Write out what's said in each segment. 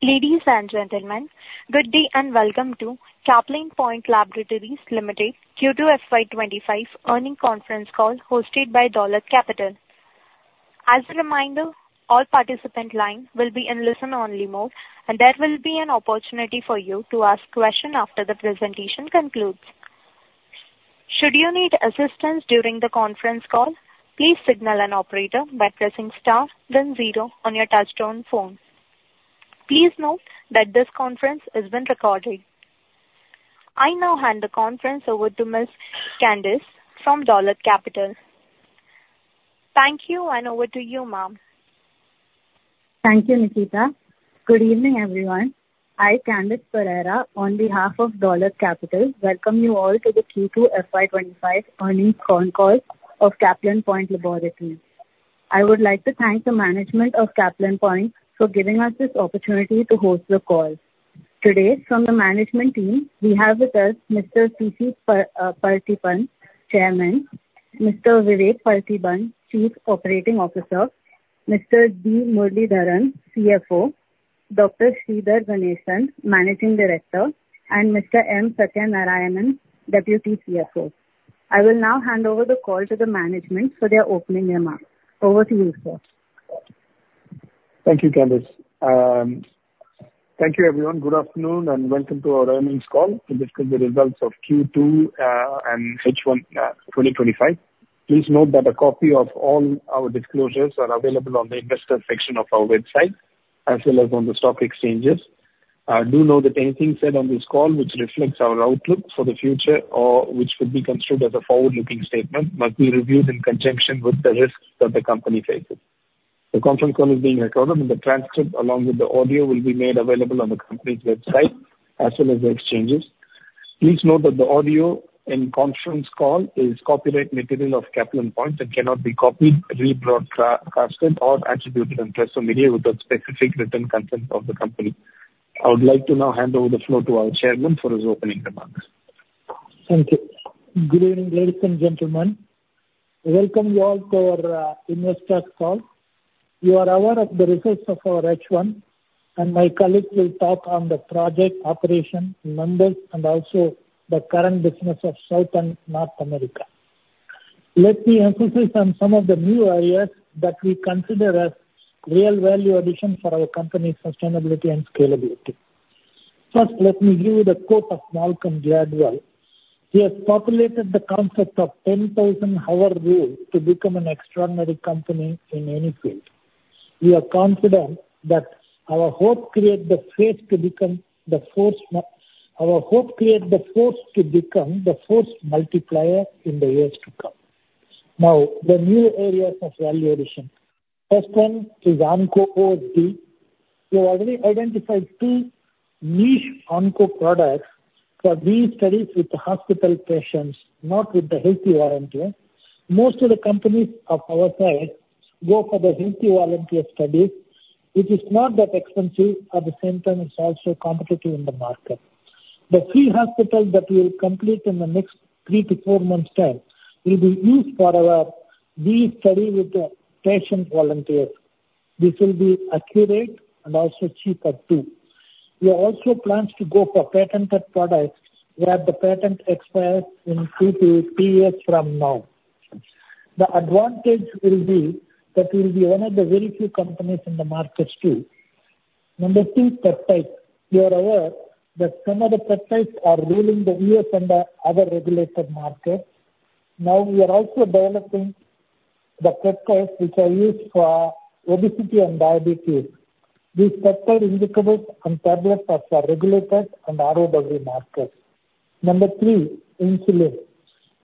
Ladies and gentlemen, good day and welcome to Caplin Point Laboratories Limited Q2 FY25 earnings conference call hosted by Dolat Capital. As a reminder, all participant lines will be in listen-only mode, and there will be an opportunity for you to ask questions after the presentation concludes. Should you need assistance during the conference call, please signal an operator by pressing star then zero on your touch-tone phone. Please note that this conference is being recorded. I now hand the conference over to Ms. Candice from Dolat Capital. Thank you, and over to you, ma'am. Thank you, Nikita. Good evening, everyone. I, Candice Pereira, on behalf of Dolat Capital, welcome you all to the Q2 FY25 earnings conference call of Caplin Point Laboratories. I would like to thank the management of Caplin Point for giving us this opportunity to host the call. Today, from the management team, we have with us Mr. C.C. Paarthipan, Chairman; Mr. Vivek Partheeban, Chief Operating Officer; Mr. D. Muralidharan, CFO; Dr. Sridhar Ganesan, Managing Director; and Mr. M. Sathya Narayanan, Deputy CFO. I will now hand over the call to the management for their opening remarks. Over to you, sir. Thank you, Candice. Thank you, everyone. Good afternoon, and welcome to our earnings call to discuss the results of Q2 and H1 2025. Please note that a copy of all our disclosures are available on the investor section of our website, as well as on the stock exchanges. Do note that anything said on this call, which reflects our outlook for the future or which could be construed as a forward-looking statement, must be reviewed in conjunction with the risks that the company faces. The conference call is being recorded, and the transcript, along with the audio, will be made available on the company's website, as well as the exchanges. Please note that the audio and conference call is copyright material of Caplin Point and cannot be copied, rebroadcast, or attributed in press or media without specific written consent of the company. I would like to now hand over the floor to our Chairman for his opening remarks. Thank you. Good evening, ladies and gentlemen. Welcome you all to our investor call. You are aware of the results of our H1, and my colleagues will talk on the project operation numbers and also the current business of South and North America. Let me emphasize on some of the new areas that we consider as real value addition for our company's sustainability and scalability. First, let me give you the quote of Malcolm Gladwell. He has popularized the concept of 10,000-hour rule to become an extraordinary company in any field. We are confident that our hope creates the faith to become the force multiplier in the years to come. Now, the new areas of valuation. First one is Onco. You already identified two niche onco products for these studies with the hospital patients, not with the healthy volunteers. Most of the companies of our side go for the healthy volunteer studies, which is not that expensive. At the same time, it's also competitive in the market. The three hospitals that we will complete in the next three to four months' time will be used for our V study with the patient volunteers. This will be accurate and also cheaper, too. We also plan to go for patented products where the patent expires in two to three years from now. The advantage will be that we will be one of the very few companies in the market, too. Number two, peptides. You are aware that some of the peptides are ruling the U.S. and the other regulated markets. Now, we are also developing the peptides which are used for obesity and diabetes. These peptide injectables and tablets are for regulated and ROW markets. Number three, insulin.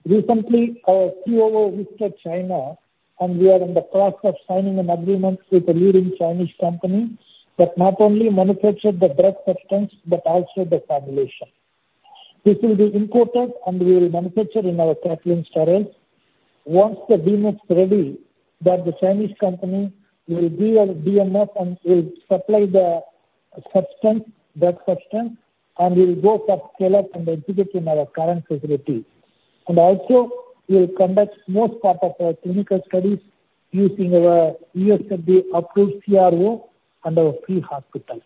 Recently, our COO visited China, and we are in the process of signing an agreement with a leading Chinese company that not only manufactures the drug substance but also the formulation. This will be imported, and we will manufacture in our Caplin Steriles. Once the BMS is ready, the Chinese company will be our BMS and will supply the substance, drug substance, and we will go for scale-up and exhibit in our current facility. And also, we will conduct most part of our clinical studies using our USFDA-approved CRO and our three hospitals.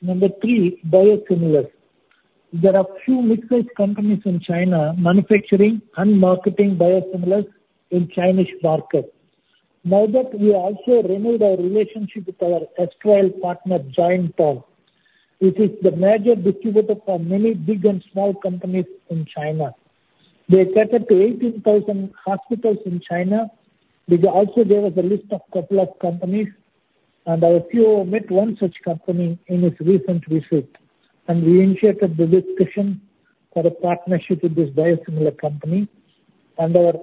Number three, biosimilars. There are a few mid-sized companies in China manufacturing and marketing biosimilars in the Chinese market. Now that we also renewed our relationship with our sole partner, Jointown, which is the major distributor for many big and small companies in China. They cater to 18,000 hospitals in China. They also gave us a list of a couple of companies, and our COO met one such company in his recent visit, and we initiated the discussion for a partnership with this biosimilar company. And our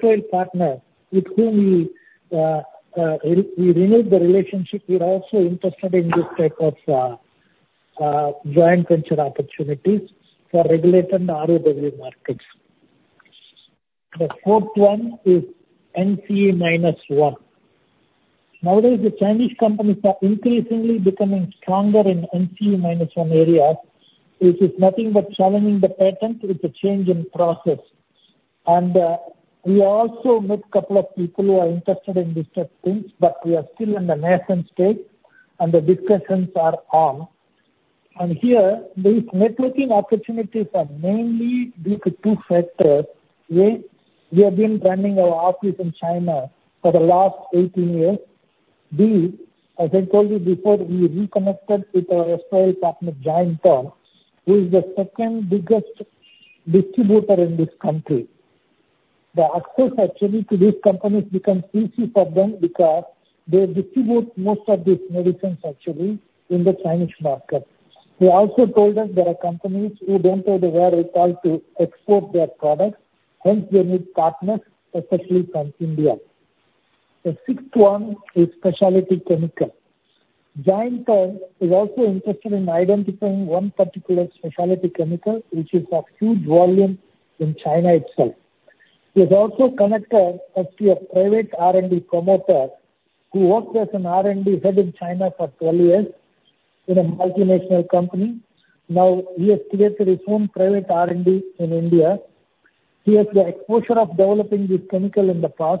sole partner, with whom we renewed the relationship, we are also interested in this type of joint venture opportunities for regulated and ROW markets. The fourth one is NCE-1. Nowadays, the Chinese companies are increasingly becoming stronger in NCE-1 areas, which is nothing but challenging the patent with a change in process. And we also met a couple of people who are interested in these types of things, but we are still in the nascent stage, and the discussions are on. And here, these networking opportunities are mainly due to two factors. A, we have been running our office in China for the last 18 years. B, as I told you before, we reconnected with our sole partner, Jointown, who is the second biggest distributor in this country. The access, actually, to these companies becomes easy for them because they distribute most of these medicines, actually, in the Chinese market. They also told us there are companies who don't know the wherewithal to export their products; hence, they need partners, especially from India. The sixth one is specialty chemicals. Jointown is also interested in identifying one particular specialty chemical, which is of huge volume in China itself. He is also a connector of a private R&D promoter who worked as an R&D head in China for 12 years in a multinational company. Now, he has created his own private R&D in India. He has the exposure of developing this chemical in the past.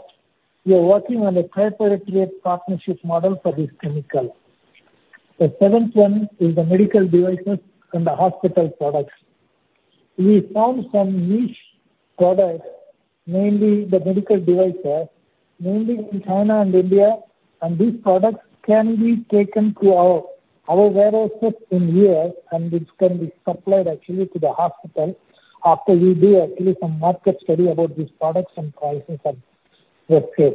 We are working on a proprietary partnership model for this chemical. The seventh one is the medical devices and the hospital products. We found some niche products, mainly the medical devices, mainly in China and India, and these products can be taken to our warehouse in Brazil, and this can be supplied, actually, to the hospital after we do, actually, some market study about these products and prices and what sells.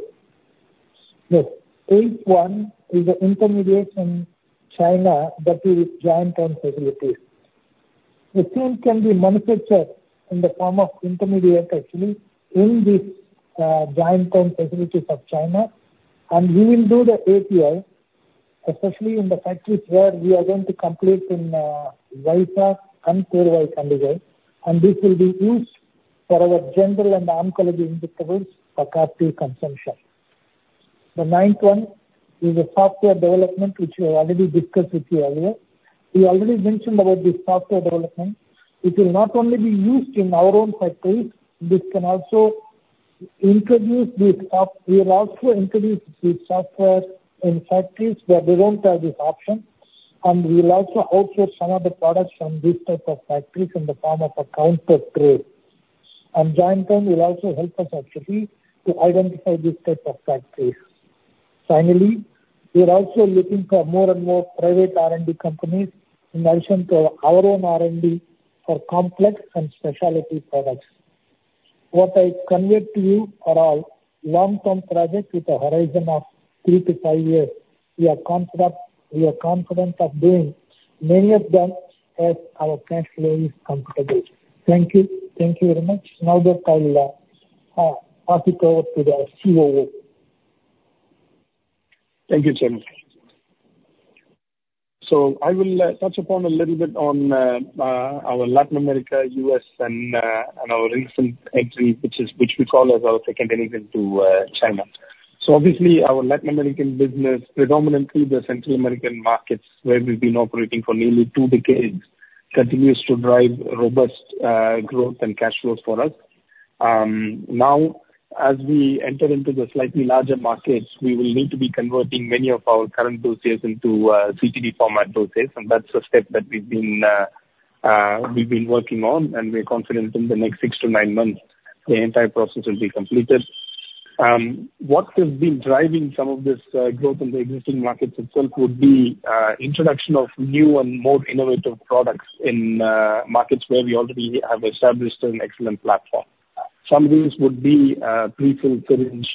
The eighth one is the intermediates in China that we have Jointown facilities. The same can be manufactured in the form of intermediate, actually, in these Jointown facilities of China, and we will do the API, especially in the factories where we are going to complete in Vaisakh and Kovai, Gangaikondan, and this will be used for our general and oncology injectables for captive consumption. The ninth one is the software development, which we already discussed with you earlier. We already mentioned about this software development. It will not only be used in our own factories. This can also introduce the software. We will also introduce the software in factories where we don't have this option, and we will also outsource some of the products from these types of factories in the form of a counter trade, and Jointown will also help us, actually, to identify these types of factories. Finally, we are also looking for more and more private R&D companies in addition to our own R&D for complex and specialty products. What I conveyed to you are all long-term projects with a horizon of three to five years. We are confident of doing many of them as our cash flow is comfortable. Thank you. Thank you very much. Now that I will pass it over to the COO. Thank you, Chairman. So I will touch upon a little bit on our Latin America, U.S., and our recent entry, which we call as our second entry into China. So obviously, our Latin American business, predominantly the Central American markets, where we've been operating for nearly two decades, continues to drive robust growth and cash flow for us. Now, as we enter into the slightly larger markets, we will need to be converting many of our current doses into CTD format doses, and that's a step that we've been working on, and we're confident in the next six to nine months, the entire process will be completed. What has been driving some of this growth in the existing markets itself would be the introduction of new and more innovative products in markets where we already have established an excellent platform. Some of these would be prefilled syringe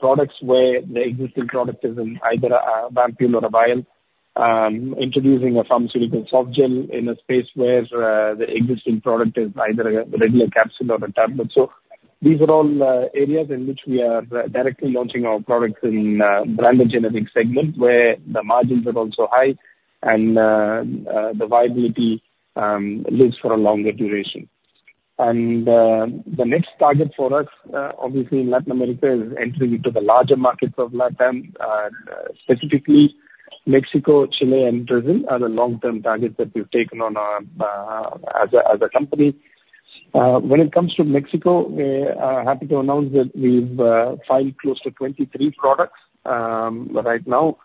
products where the existing product is in either an ampule or a vial, introducing a pharmaceutical soft gel in a space where the existing product is either a regular capsule or a tablet. So these are all areas in which we are directly launching our products in the branded generic segment, where the margins are also high, and the viability lives for a longer duration. And the next target for us, obviously, in Latin America is entering into the larger markets of LatAm, specifically Mexico, Chile, and Brazil are the long-term targets that we've taken on as a company. When it comes to Mexico, we are happy to announce that we've filed close to 23 products right now,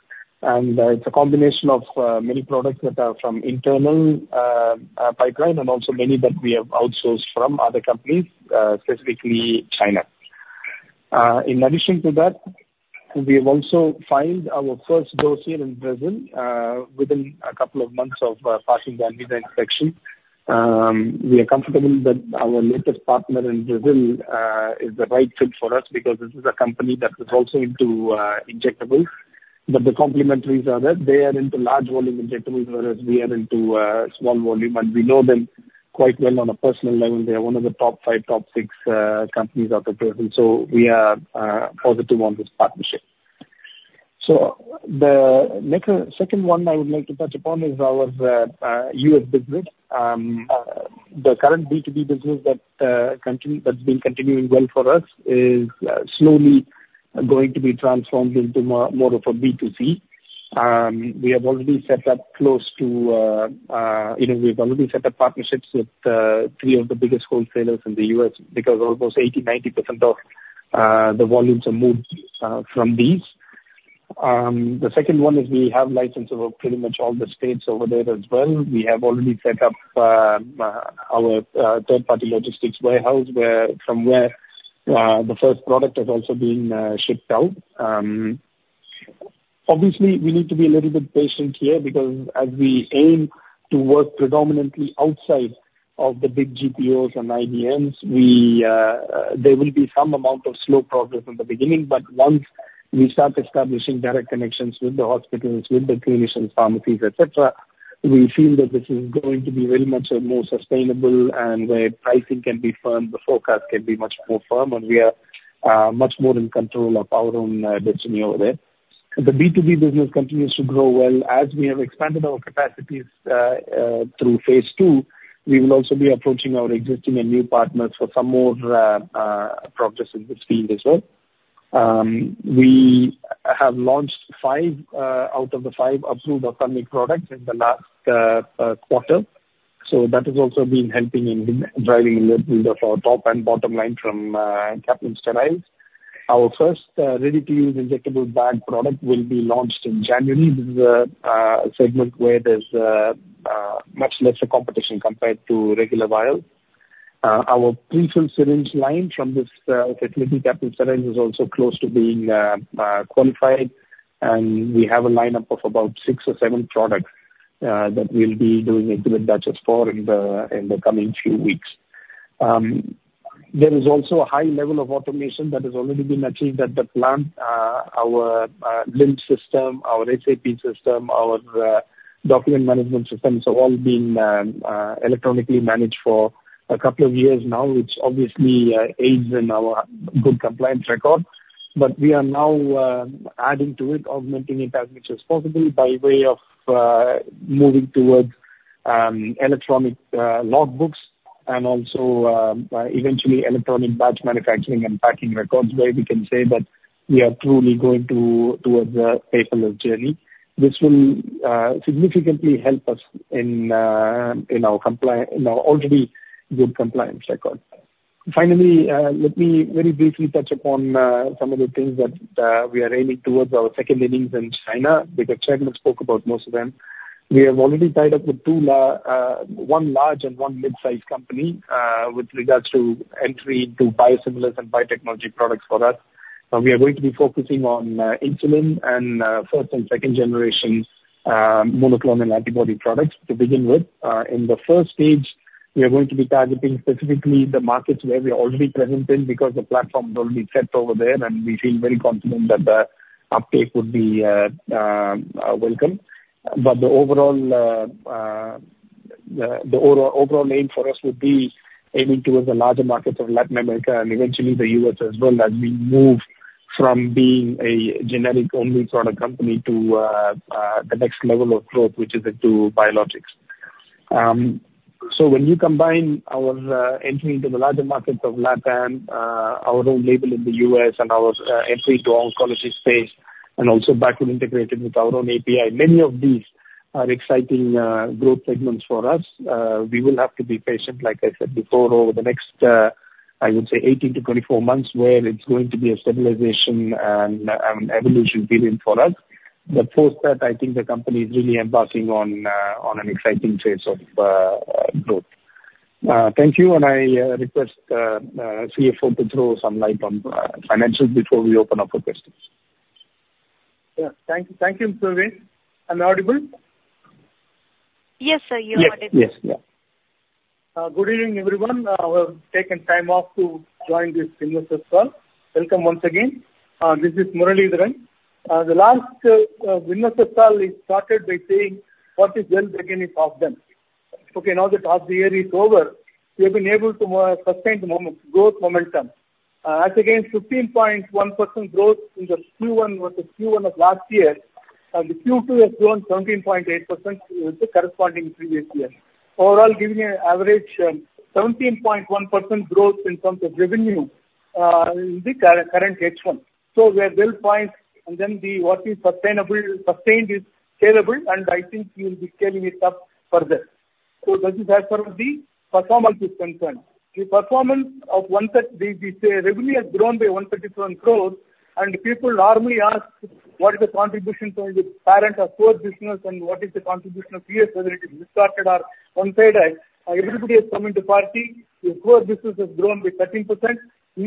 and it's a combination of many products that are from internal pipeline and also many that we have outsourced from other companies, specifically China. In addition to that, we have also filed our first dossier here in Brazil within a couple of months of passing the ANVISA inspection. We are comfortable that our latest partner in Brazil is the right fit for us because this is a company that is also into injectables. But the complementary are that they are into large volume injectables, whereas we are into small volume, and we know them quite well on a personal level. They are one of the top five, top six companies out of Brazil, so we are positive on this partnership. So the second one I would like to touch upon is our U.S. business. The current B2B business that's been continuing well for us is slowly going to be transformed into more of a B2C. We have already set up partnerships with three of the biggest wholesalers in the U.S. because almost 80%-90% of the volumes are moved from these. The second one is we have licenses of pretty much all the states over there as well. We have already set up our third-party logistics warehouse from where the first product has also been shipped out. Obviously, we need to be a little bit patient here because as we aim to work predominantly outside of the big GPOs and PBMs, there will be some amount of slow progress in the beginning, but once we start establishing direct connections with the hospitals, with the clinicians, pharmacies, etc., we feel that this is going to be very much more sustainable and where pricing can be firm, the forecast can be much more firm, and we are much more in control of our own destiny over there. The B2B business continues to grow well. As we have expanded our capacities through phase two, we will also be approaching our existing and new partners for some more progress in this field as well. We have launched five out of the five approved oncology products in the last quarter, so that has also been helping in driving a little bit of our top and bottom line from Caplin Steriles. Our first ready-to-use injectable bag product will be launched in January. This is a segment where there's much lesser competition compared to regular vials. Our prefilled syringe line from this facility, Caplin Steriles, is also close to being qualified, and we have a lineup of about six or seven products that we'll be doing exhibit batches for in the coming few weeks. There is also a high level of automation that has already been achieved at the plant. Our LIMS, our SAP system, our document management systems have all been electronically managed for a couple of years now, which obviously aids in our good compliance record. But we are now adding to it, augmenting it as much as possible by way of moving towards electronic logbooks and also eventually electronic batch manufacturing and packing records where we can say that we are truly going towards a paperless journey. This will significantly help us in our already good compliance record. Finally, let me very briefly touch upon some of the things that we are aiming towards our second innings in China because Chairman spoke about most of them. We have already tied up with two large and one mid-sized company with regards to entry into biosimilars and biotechnology products for us. We are going to be focusing on insulin and first and second-generation monoclonal antibody products to begin with. In the first stage, we are going to be targeting specifically the markets where we are already present in because the platform has already set over there, and we feel very confident that the uptake would be welcome. But the overall aim for us would be aiming towards the larger markets of Latin America and eventually the U.S. as well as we move from being a generic-only product company to the next level of growth, which is into biologics. So when you combine our entry into the larger markets of LatAm, our own label in the U.S., and our entry into oncology space, and also backward integrated with our own API, many of these are exciting growth segments for us. We will have to be patient, like I said before, over the next, I would say, 18-24 months where it's going to be a stabilization and evolution period for us. But post that, I think the company is really embarking on an exciting phase of growth. Thank you, and I request CFO to throw some light on financials before we open up for questions. Yes. Thank you, Mr. Wyn. And audible? Yes, sir. You're audible. Yes. Yes. Good evening, everyone. I have taken time off to join this business as well. Welcome once again. This is D. Muralidharan. The last business as well is started by saying, "Well begun is half done." Okay. Now that half the year is over, we have been able to sustain the growth momentum. As against 15.1% growth in the Q1 versus Q1 of last year, the Q2 has grown 17.8% with the corresponding previous year. Overall, giving an average 17.1% growth in terms of revenue in the current H1. So we are well-positioned, and then what is sustained is scalable, and I think we will be scaling it up further. So that is as far as the performance is concerned. The performance of 130, we say, regularly has grown by 137% growth, and people normally ask, "What is the contribution to the parent of core business, and what is the contribution of US as it is restarted on Friday?" Everybody has come to the party. The core business has grown by 13%.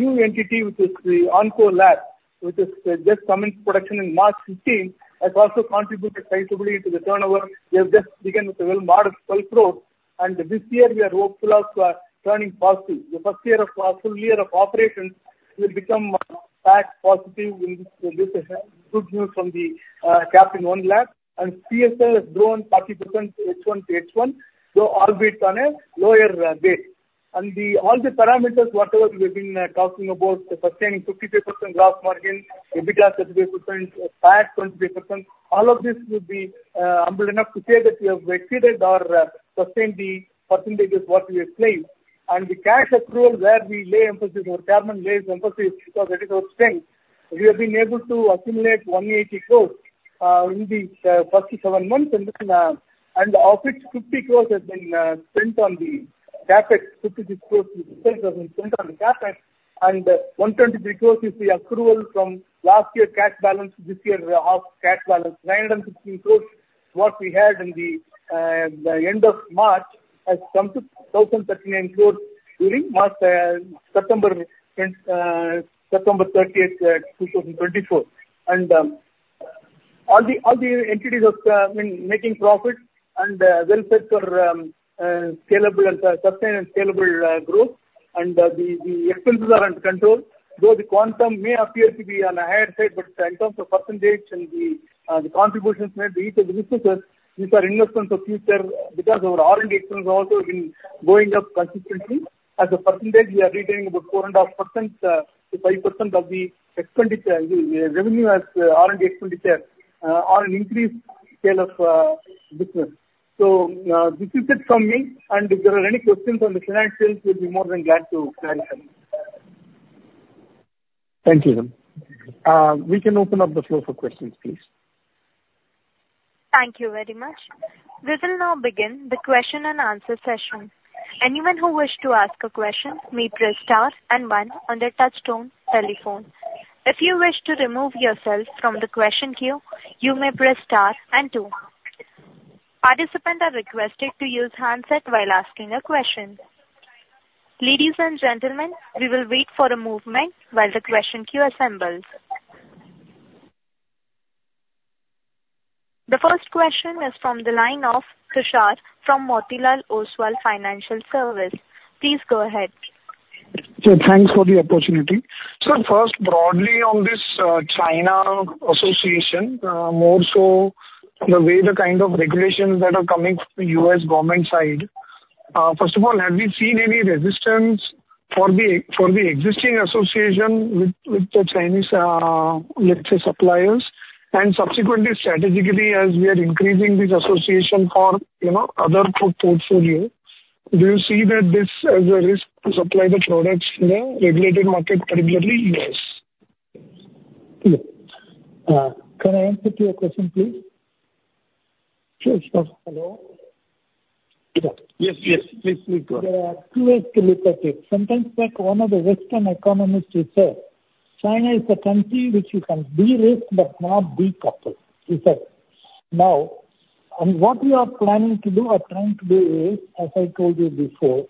New entity, which is the Caplin One Labs, which has just commenced production in March 15, has also contributed sizably to the turnover. We have just begun with a well-marked 12% growth, and this year we are hopeful of turning positive. The first year of full year of operations will become back positive with this good news from the Caplin One Labs, and CSL has grown 40% H1 to H1, though albeit on a lower base. All the parameters, whatever we have been talking about, sustaining 55% gross margin, EBITDA 35%, PAC 25%, all of this would be ample enough to say that we have exceeded or sustained the percentages what we explained. The cash accrual where we lay emphasis, our Chairman lays emphasis because that is our strength. We have been able to accumulate 180 crores in these past seven months, and of it, 50 crores has been spent on the CapEx. 56 crores has been spent on the CapEx, and 123 crores is the accrual from last year's cash balance to this year's half cash balance. 916 crores is what we had in the end of March has come to 1,039 crores during September 30th, 2024. All the entities have been making profit and well-fed for sustained and scalable growth, and the expenses are under control. Though the quantum may appear to be on a higher side, but in terms of percentage and the contributions made to each of the businesses, these are investments of future because our R&D expenses have also been going up consistently. As a percentage, we are retaining about 4.5%-5% of the revenue as R&D expenditure on an increased scale of business. So this is it from me, and if there are any questions on the financials, we'll be more than glad to clarify. Thank you, sir. We can open up the floor for questions, please. Thank you very much. We will now begin the question and answer session. Anyone who wish to ask a question may press star and one on their touch-tone telephone. If you wish to remove yourself from the question queue, you may press star and two. Participants are requested to use handset while asking a question. Ladies and gentlemen, we will wait for a moment while the question queue assembles. The first question is from the line of Tushar from Motilal Oswal Financial Services. Please go ahead. So thanks for the opportunity. So first, broadly on this China association, more so the way the kind of regulations that are coming from the U.S. government side, first of all, have we seen any resistance for the existing association with the Chinese, let's say, suppliers? And subsequently, strategically, as we are increasing this association for other portfolios, do you see this as a risk to supply the products in the regulated market, particularly U.S.? Can I answer to your question, please? Sure. Hello. Yes. Yes. Please speak. There are two ways to look at it. Sometimes, like one of the Western economists who said, "China is a country which you can be rich but not be coupled," he said. Now, what we are planning to do or trying to do is, as I told you before,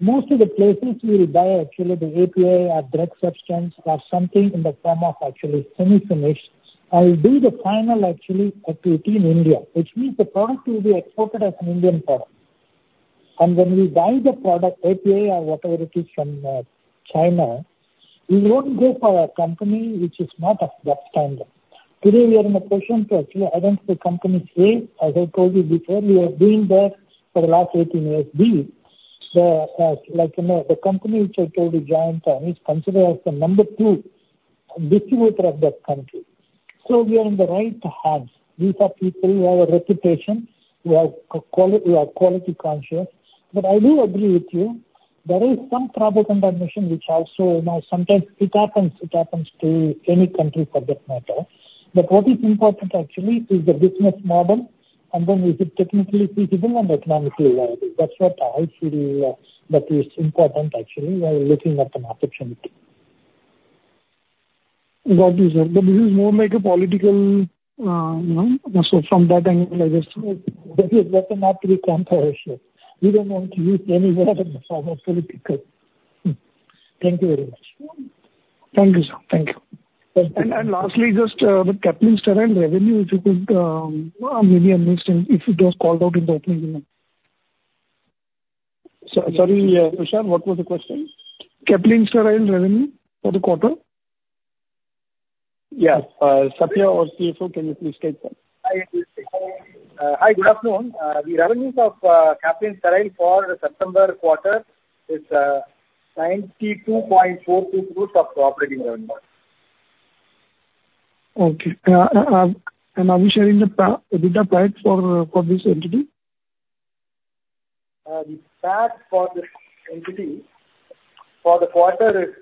most of the places we will buy actually the API or active substance or something in the form of actually semi-finished and do the final actually activity in India, which means the product will be exported as an Indian product. And when we buy the product, API or whatever it is from China, we won't go for a company which is not of that standard. Today, we are in a position to actually identify companies A, as I told you before, we have been there for the last 18 years, B, like the company which I told you joined, is considered as the number two distributor of that country. So we are in the right hands. These are people who have a reputation, who are quality-conscious. But I do agree with you. There is some trouble in that mission, which also now sometimes it happens to any country for that matter. But what is important actually is the business model, and then is it technically feasible and economically viable? That's what I feel that is important actually when we're looking at the market share. That is it, but this is more like a political, so from that angle, I guess. That is what's enough to be comparative. We don't want to use any words that are political. Thank you very much. Thank you, sir. Thank you. Lastly, just with Caplin Steriles revenue, if you could give me a mixed answer if it was called out in the opening. Sorry, Tushar, what was the question? Caplin Steriles revenue for the quarter? Yes. Sathya, our CFO, can you please take that? Hi. Good afternoon. The revenues of Caplin Steriles for the September quarter is 92.42 crores of operating revenue. Okay. And are we sharing the EBITDA price for this entity? The PAC for this entity for the quarter is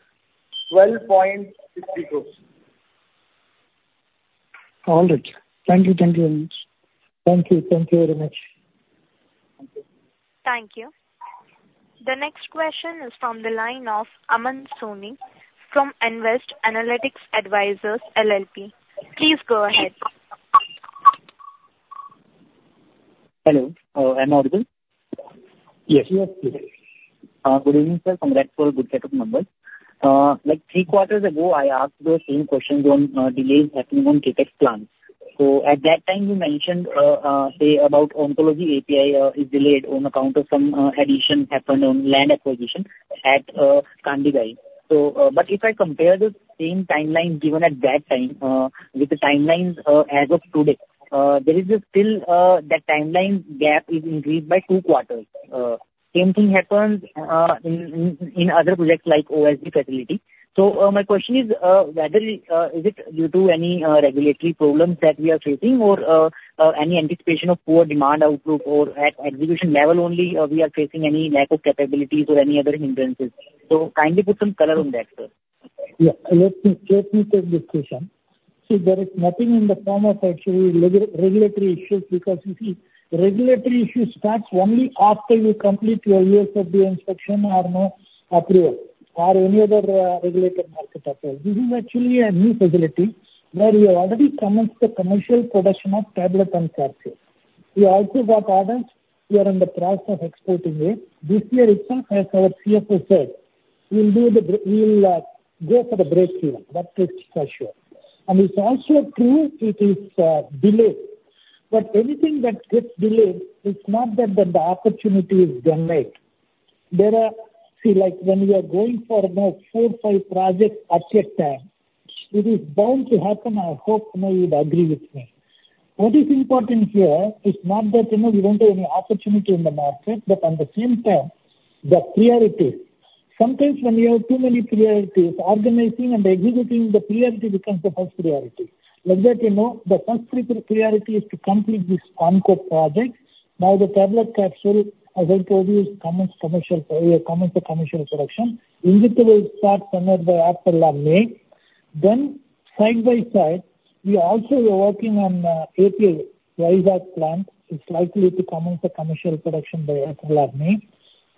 12.60 crores. All right. Thank you. Thank you very much. Thank you. Thank you very much. Thank you. The next question is from the line of Aman Soni from Nvest Analytics Advisors LLP. Please go ahead. Hello. Am I audible? Yes. Yes. Good evening, sir. Congrats for a good set of numbers. Like three quarters ago, I asked the same question on delays happening on CapEx plans. So at that time, you mentioned, say, about Oncology API is delayed on account of some addition happened on land acquisition at Gangaikondan. But if I compare the same timeline given at that time with the timelines as of today, there is still that timeline gap is increased by two quarters. Same thing happens in other projects like OSD facility. So my question is, is it due to any regulatory problems that we are facing or any anticipation of poor demand outlook or at execution level only we are facing any lack of capabilities or any other hindrances? So kindly put some color on that, sir. Yeah. Let me take this question. So there is nothing in the form of actually regulatory issues because you see, regulatory issues start only after you complete your USFDA inspection or no approval or any other regulatory market approval. This is actually a new facility where we have already commenced the commercial production of tablets and capsules. We also got orders. We are in the process of exporting it. This year itself, as our CFO said, we'll go for the breakeven, that is for sure. And it's also true it is delayed. But anything that gets delayed, it's not that the opportunity is denied. See, like when we are going for four or five projects at a time, it is bound to happen. I hope you would agree with me. What is important here is not that we don't have any opportunity in the market, but at the same time, the priorities. Sometimes when you have too many priorities, organizing and executing the priority becomes the first priority. You know, the first priority is to complete this Onco project. Now, the tablet capsule, as I told you, is coming to commercial production. Injectables start on it by April or May. Then side by side, we also are working on API Vizag plant. It's likely to come into commercial production by April or May.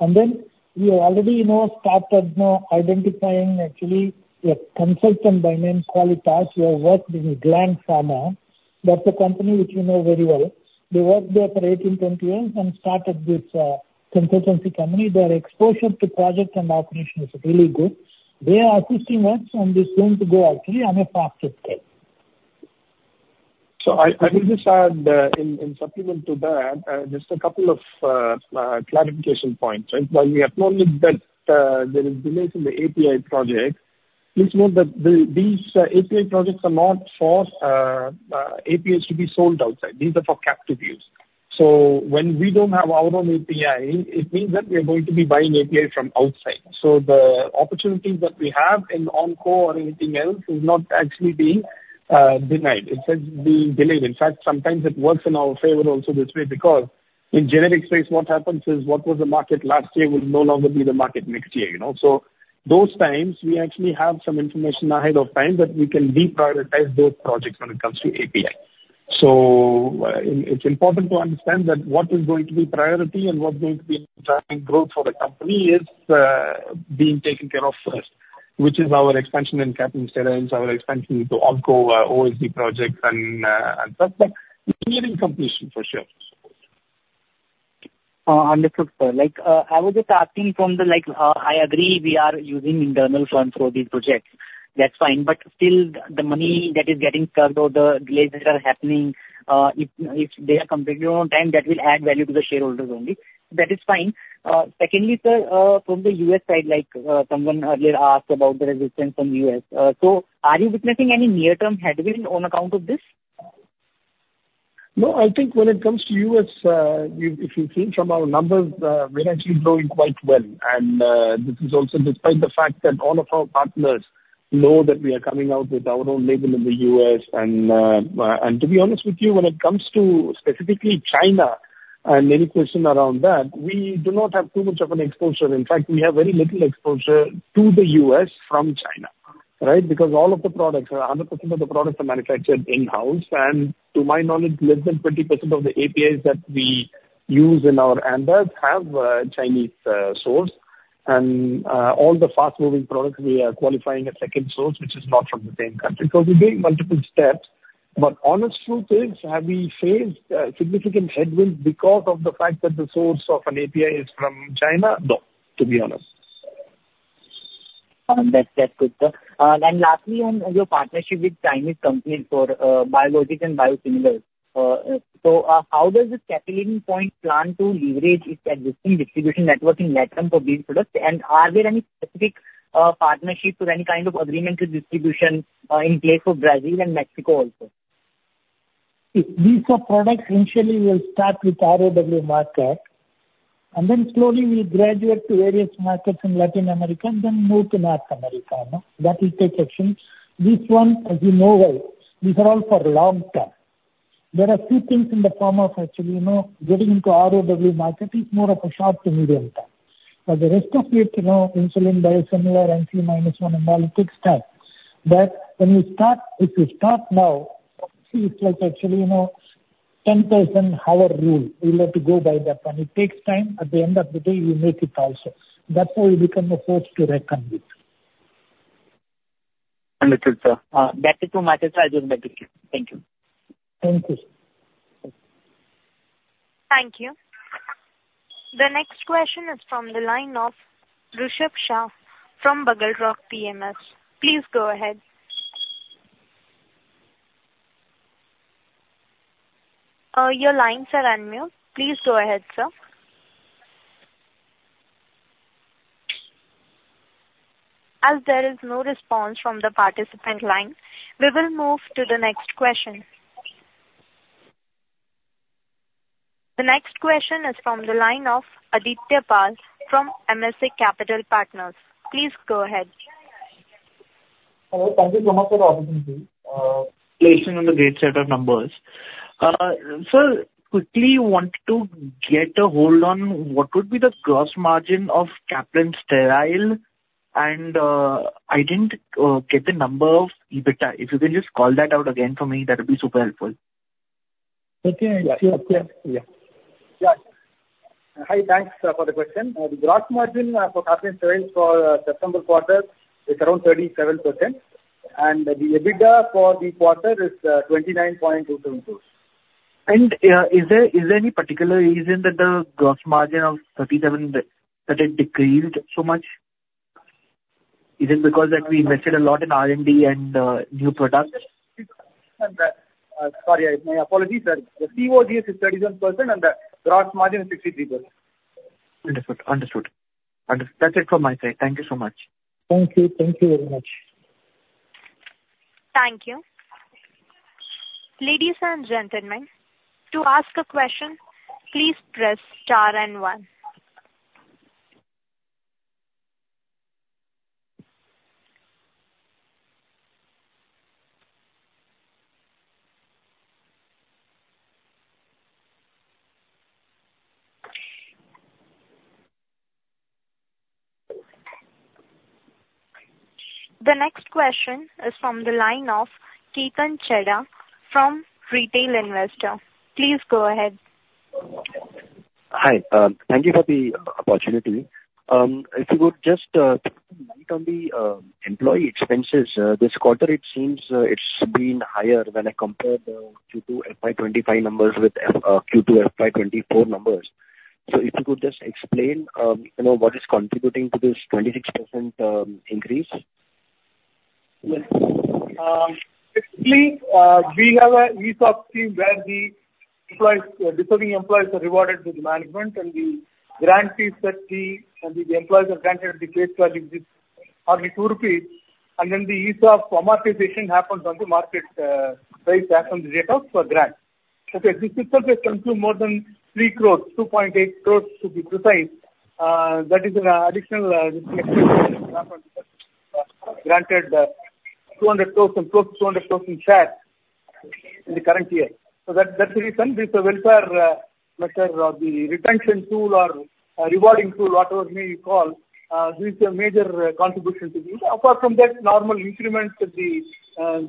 And then we have already started identifying actually a consultant by name called Tash, who has worked in Gland Pharma. That's a company which we know very well. They worked there for 18-20 years and started this consultancy company. Their exposure to project and operation is really good. They are assisting us, and it's going to go actually on a faster scale. So I would just add, in supplement to that, just a couple of clarification points. Right? While we acknowledge that there is delay in the API project, please note that these API projects are not for APIs to be sold outside. These are for captive use. So when we don't have our own API, it means that we are going to be buying APIs from outside. So the opportunities that we have in Onco or anything else is not actually being denied. It's actually being delayed. In fact, sometimes it works in our favor also this way because in generic space, what happens is what was the market last year will no longer be the market next year. So those times, we actually have some information ahead of time that we can deprioritize those projects when it comes to API. So it's important to understand that what is going to be priority and what's going to be driving growth for the company is being taken care of first, which is our expansion in Caplin Steriles, our expansion into Onco, OSD projects, and stuff. But engineering completion for sure. Understood, sir. I was just asking from the like, "I agree we are using internal funds for these projects." That's fine. But still, the money that is getting served or the delays that are happening, if they are completed on time, that will add value to the shareholders only. That is fine. Secondly, sir, from the U.S. side, someone earlier asked about the resistance from the U.S. So are you witnessing any near-term headwinds on account of this? No. I think when it comes to U.S., if you think from our numbers, we're actually growing quite well. And this is also despite the fact that all of our partners know that we are coming out with our own label in the U.S. And to be honest with you, when it comes to specifically China and any question around that, we do not have too much of an exposure. In fact, we have very little exposure to the U.S. from China, right? Because all of the products, 100% of the products are manufactured in-house. And to my knowledge, less than 20% of the APIs that we use in our products have Chinese source. And all the fast-moving products, we are qualifying a second source, which is not from the same country. So we're doing multiple steps. But honest truth is, have we faced significant headwinds because of the fact that the source of an API is from China? No, to be honest. That's good, sir. And lastly, on your partnership with Chinese companies for biologics and biosimilars, so how does this Caplin Point plan to leverage its existing distribution network in that regard for these products? And are there any specific partnerships or any kind of agreement for distribution in place for Brazil and Mexico also? These products initially will start with ROW market, and then slowly we'll graduate to various markets in Latin America and then move to North America. That will take action. This one, as you know well, these are all for long term. There are two things in the form of actually getting into ROW market. It's more of a short to medium term. For the rest of it, insulin biosimilar and NCE-1 analytics time. But when you start, if you start now, see, it's like actually 10,000-hour rule. We'll have to go by that one. It takes time. At the end of the day, you make it also. That's how you become a force to reckon with. Understood, sir. That's it for my side. Thank you. Thank you. Thank you. The next question is from the line of Rishab Shah from BugleRock Capital. Please go ahead. Your line is unmuted. Please go ahead, sir. As there is no response from the participant line, we will move to the next question. The next question is from the line of Aditya Pal from MSA Capital Partners. Please go ahead. Hello. Thank you so much for the opportunity. Playing on the great set of numbers. Sir, quickly, I want to get a hold on what would be the gross margin of Caplin Steriles, and I didn't get the number of EBITDA. If you can just call that out again for me, that would be super helpful. Okay. Yeah. Yeah. Yeah. Yeah. Hi. Thanks for the question. The gross margin for Caplin Steriles for September quarter is around 37%. And the EBITDA for the quarter is 29.27 crores. Is there any particular reason that the gross margin of 37% decreased so much? Is it because that we invested a lot in R&D and new products? Sorry, my apologies, sir. The COGS is 37%, and the gross margin is 63%. Understood. Understood. Understood. That's it from my side. Thank you so much. Thank you. Thank you very much. Thank you. Ladies and gentlemen, to ask a question, please press star and one. The next question is from the line of Ketan Chheda from Retail Investor. Please go ahead. Hi. Thank you for the opportunity. If you could just take a look on the employee expenses. This quarter, it seems it's been higher when I compared the Q2 FY25 numbers with Q2 FY24 numbers. So if you could just explain what is contributing to this 26% increase? Yes. Basically, we have an ESOP scheme where the employees, the serving employees, are rewarded with management, and the grant is set to be the employees are granted the face value, which is only INR 2. And then the ESOP amortization happens on the market price as of the date of the grant. Okay. This itself has consumed more than 3 crores, 2.8 crores to be precise. That is an additional granted 200,000, close to 200,000 shares in the current year. So that's the reason. This is a welfare matter or the retention tool or rewarding tool, whatever may you call, which is a major contribution to this. Apart from that, normal increments of the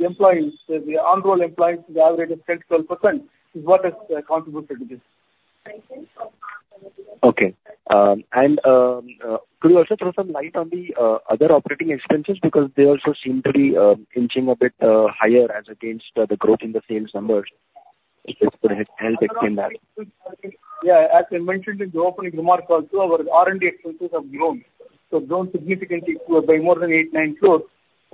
employees, the on-roll employees, the average of 10%-12% is what has contributed to this. Okay. And could you also throw some light on the other operating expenses? Because they also seem to be inching a bit higher as against the growth in the sales numbers. If you could help explain that. Yeah. As I mentioned in the opening remarks also, our R&D expenses have grown. So grown significantly by more than 8-9 crores.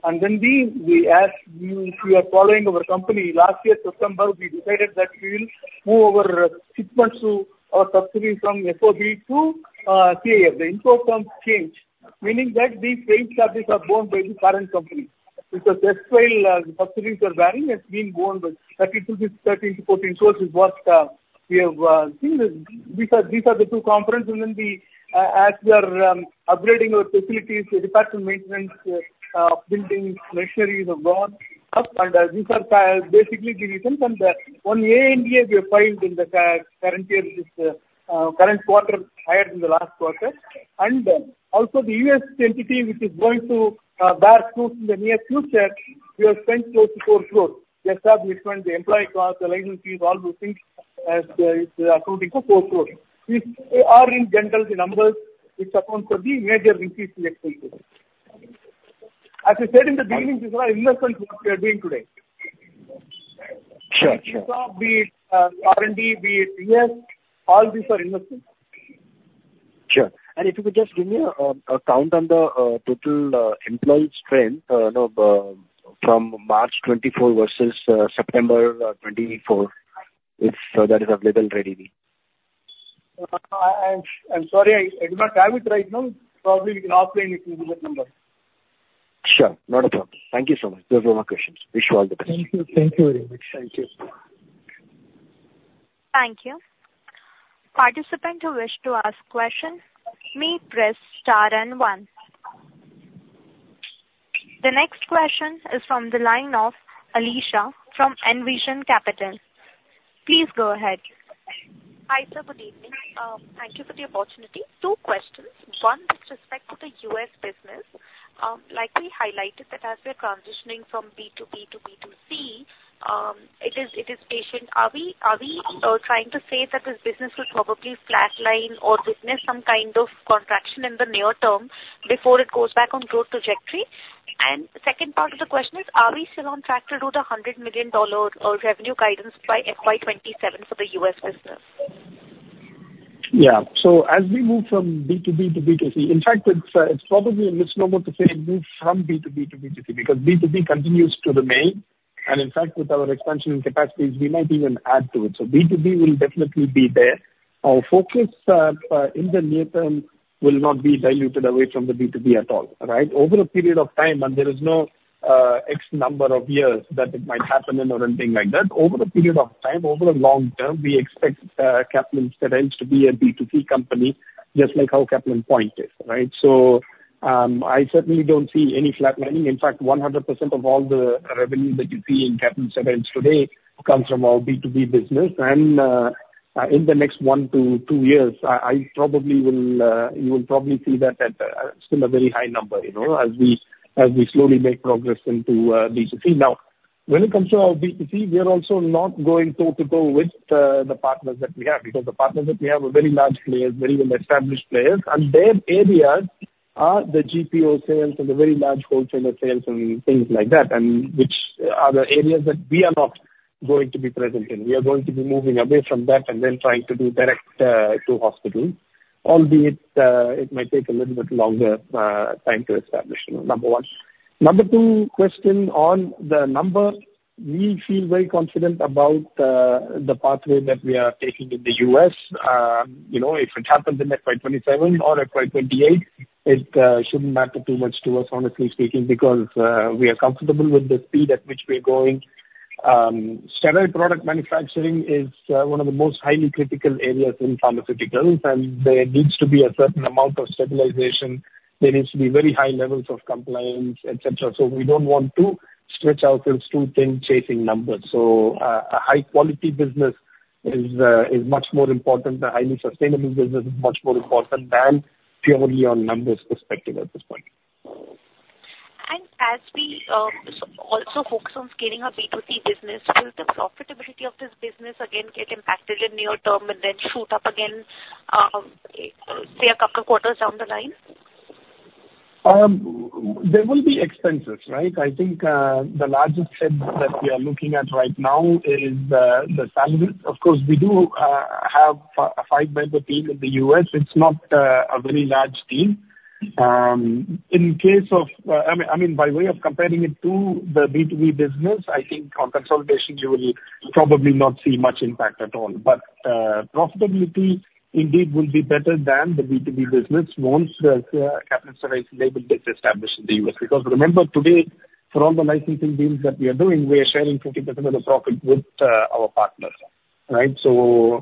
And then we asked you if you are following our company. Last year, September, we decided that we will move our business to our subsidiaries from standalone to consolidated. The format changed, meaning that these rates are borne by the current company. Because that's where the subsidiaries are bearing, has been borne by 13-14 crores is what we have seen. These are the two components. And then as we are upgrading our facilities, depreciation maintenance of buildings, machinery have gone up. And these are basically the reasons. And on the ANDA, we have filed in the current year, this current quarter higher than the last quarter. And also the US entity, which is going to bear fruit in the near future, we have spent close to 4 crores. Just that we spent the employee cost, the licenses, all those things as it's accruing to 4 crores. These are in general the numbers which accounts for the major increase in expenses. As I said in the beginning, these are investments what we are doing today. Sure. Sure. ESOP, be it R&D, be it U.S., all these are investments. Sure. And if you could just give me a count on the total employee strength from March 2024 versus September 2024, if that is available readily? I'm sorry, I do not have it right now. Probably we can offline if you need that number. Sure. Not a problem. Thank you so much. Those were my questions. Wish you all the best. Thank you. Thank you very much. Thank you. Thank you. Participant who wished to ask question may press star and one. The next question is from the line of Alisha from Envision Capital. Please go ahead. Hi, sir. Good evening. Thank you for the opportunity. Two questions. One, with respect to the U.S. business, like we highlighted that as we are transitioning from B2B to B2C, it is patient. Are we trying to say that this business will probably flatline or witness some kind of contraction in the near term before it goes back on growth trajectory? And second part of the question is, are we still on track to do the $100 million revenue guidance by FY27 for the U.S. business? Yeah. So as we move from B2B to B2C, in fact, it's probably a misnomer to say it moves from B2B to B2C because B2B continues to remain. In fact, with our expansion capacities, we might even add to it. So B2B will definitely be there. Our focus in the near term will not be diluted away from the B2B at all, right? Over a period of time, and there is no X number of years that it might happen in or anything like that. Over a period of time, over a long term, we expect Caplin Steriles to be a B2C company, just like how Caplin Point is, right? So I certainly don't see any flatlining. In fact, 100% of all the revenue that you see in Caplin Steriles today comes from our B2B business. And in the next one to two years, you will probably see that that's still a very high number as we slowly make progress into B2C. Now, when it comes to our B2C, we are also not going toe to toe with the partners that we have because the partners that we have are very large players, very well-established players. And their areas are the GPO sales and the very large wholesale sales and things like that, which are the areas that we are not going to be present in. We are going to be moving away from that and then trying to do direct to hospitals, albeit it might take a little bit longer time to establish, number one. Number two, question on the number, we feel very confident about the pathway that we are taking in the U.S. If it happens in FY27 or FY28, it shouldn't matter too much to us, honestly speaking, because we are comfortable with the speed at which we are going. Sterile product manufacturing is one of the most highly critical areas in pharmaceuticals, and there needs to be a certain amount of stabilization. There needs to be very high levels of compliance, etc. So we don't want to stretch ourselves too thin chasing numbers. So a high-quality business is much more important. A highly sustainable business is much more important than purely on numbers perspective at this point. As we also focus on scaling our B2C business, will the profitability of this business, again, get impacted in near term and then shoot up again, say, a couple of quarters down the line? There will be expenses, right? I think the largest head that we are looking at right now is the salaries. Of course, we do have a five-member team in the U.S. It's not a very large team. In case of, I mean, by way of comparing it to the B2B business, I think on consolidation, you will probably not see much impact at all. But profitability, indeed, will be better than the B2B business once Caplin Steriles label gets established in the U.S. Because remember, today, for all the licensing deals that we are doing, we are sharing 50% of the profit with our partners, right? So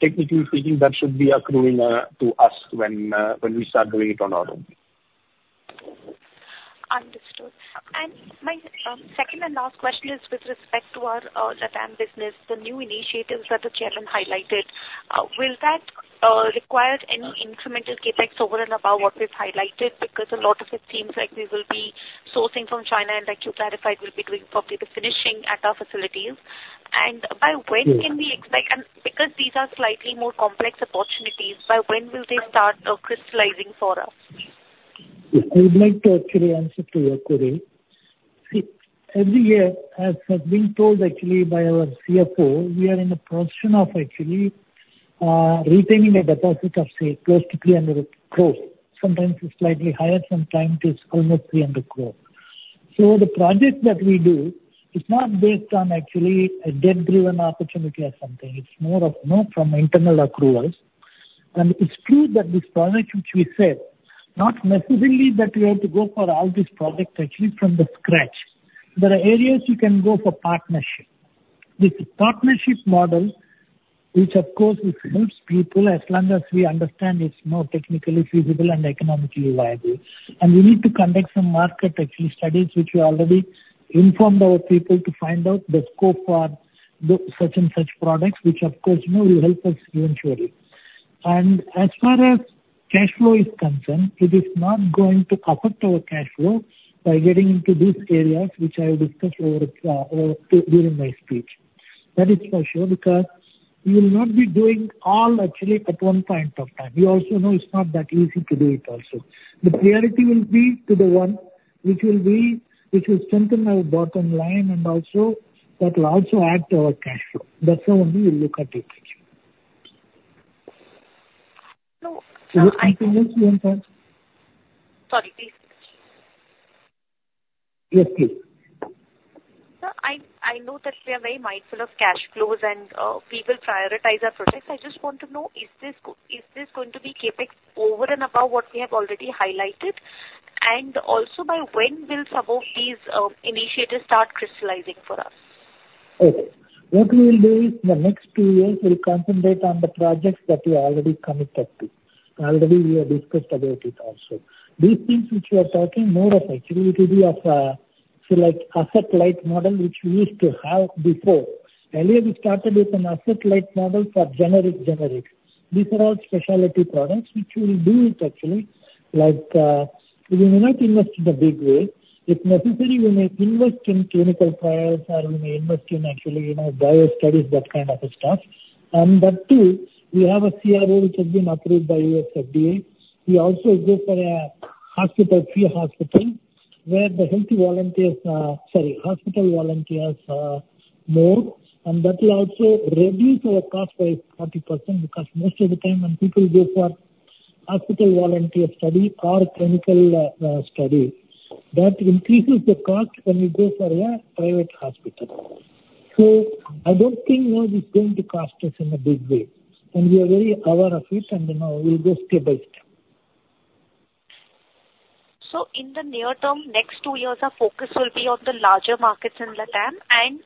technically speaking, that should be accruing to us when we start doing it on our own. Understood. And my second and last question is with respect to our LatAm business, the new initiatives that the chairman highlighted, will that require any incremental CapEx over and above what we've highlighted? Because a lot of it seems like we will be sourcing from China, and like you clarified, we'll be doing probably the finishing at our facilities. And by when can we expect? And because these are slightly more complex opportunities, by when will they start crystallizing for us? I would like to actually answer to your query. Every year, as has been told actually by our CFO, we are in a position of actually retaining a deposit of, say, close to 300 crores. Sometimes it's slightly higher. Sometimes it's almost 300 crores. So the project that we do is not based on actually a debt-driven opportunity or something. It's more of from internal accruals, and it's true that this project, which we said, not necessarily that we have to go for all these projects actually from the scratch. There are areas you can go for partnership. This partnership model, which of course helps people as long as we understand it's more technically feasible and economically viable, and we need to conduct some market actually studies, which we already informed our people to find out the scope for such and such products, which of course will help us eventually. As far as cash flow is concerned, it is not going to affect our cash flow by getting into these areas, which I will discuss during my speech. That is for sure because we will not be doing all actually at one point of time. We also know it's not that easy to do it also. The priority will be to the one which will strengthen our bottom line and also that will also add to our cash flow. That's how we will look at it. So I. Can you say one more time? Sorry, please. Yes, please. So I know that we are very mindful of cash flows and people prioritize our projects. I just want to know, is this going to be CapEx over and above what we have already highlighted? And also, by when will some of these initiatives start crystallizing for us? Okay. What we will do is the next two years will concentrate on the projects that we are already committed to. Already, we have discussed about it also. These things which we are talking more of actually to be of, say, like asset-like model which we used to have before. Earlier, we started with an asset-like model for generic generics. These are all specialty products which we will do it actually. We may not invest in a big way. If necessary, we may invest in clinical trials or we may invest in actually bio studies, that kind of stuff. And that too, we have a CRO which has been approved by USFDA. We also go for a hospital, free hospital where the healthy volunteers, sorry, hospital volunteers more. That will also reduce our cost by 40% because most of the time when people go for hospital volunteer study or clinical study, that increases the cost when we go for a private hospital. I don't think it's going to cost us in a big way. We are very aware of it, and we'll go step by step. So in the near term, next two years, our focus will be on the larger markets in LatAm and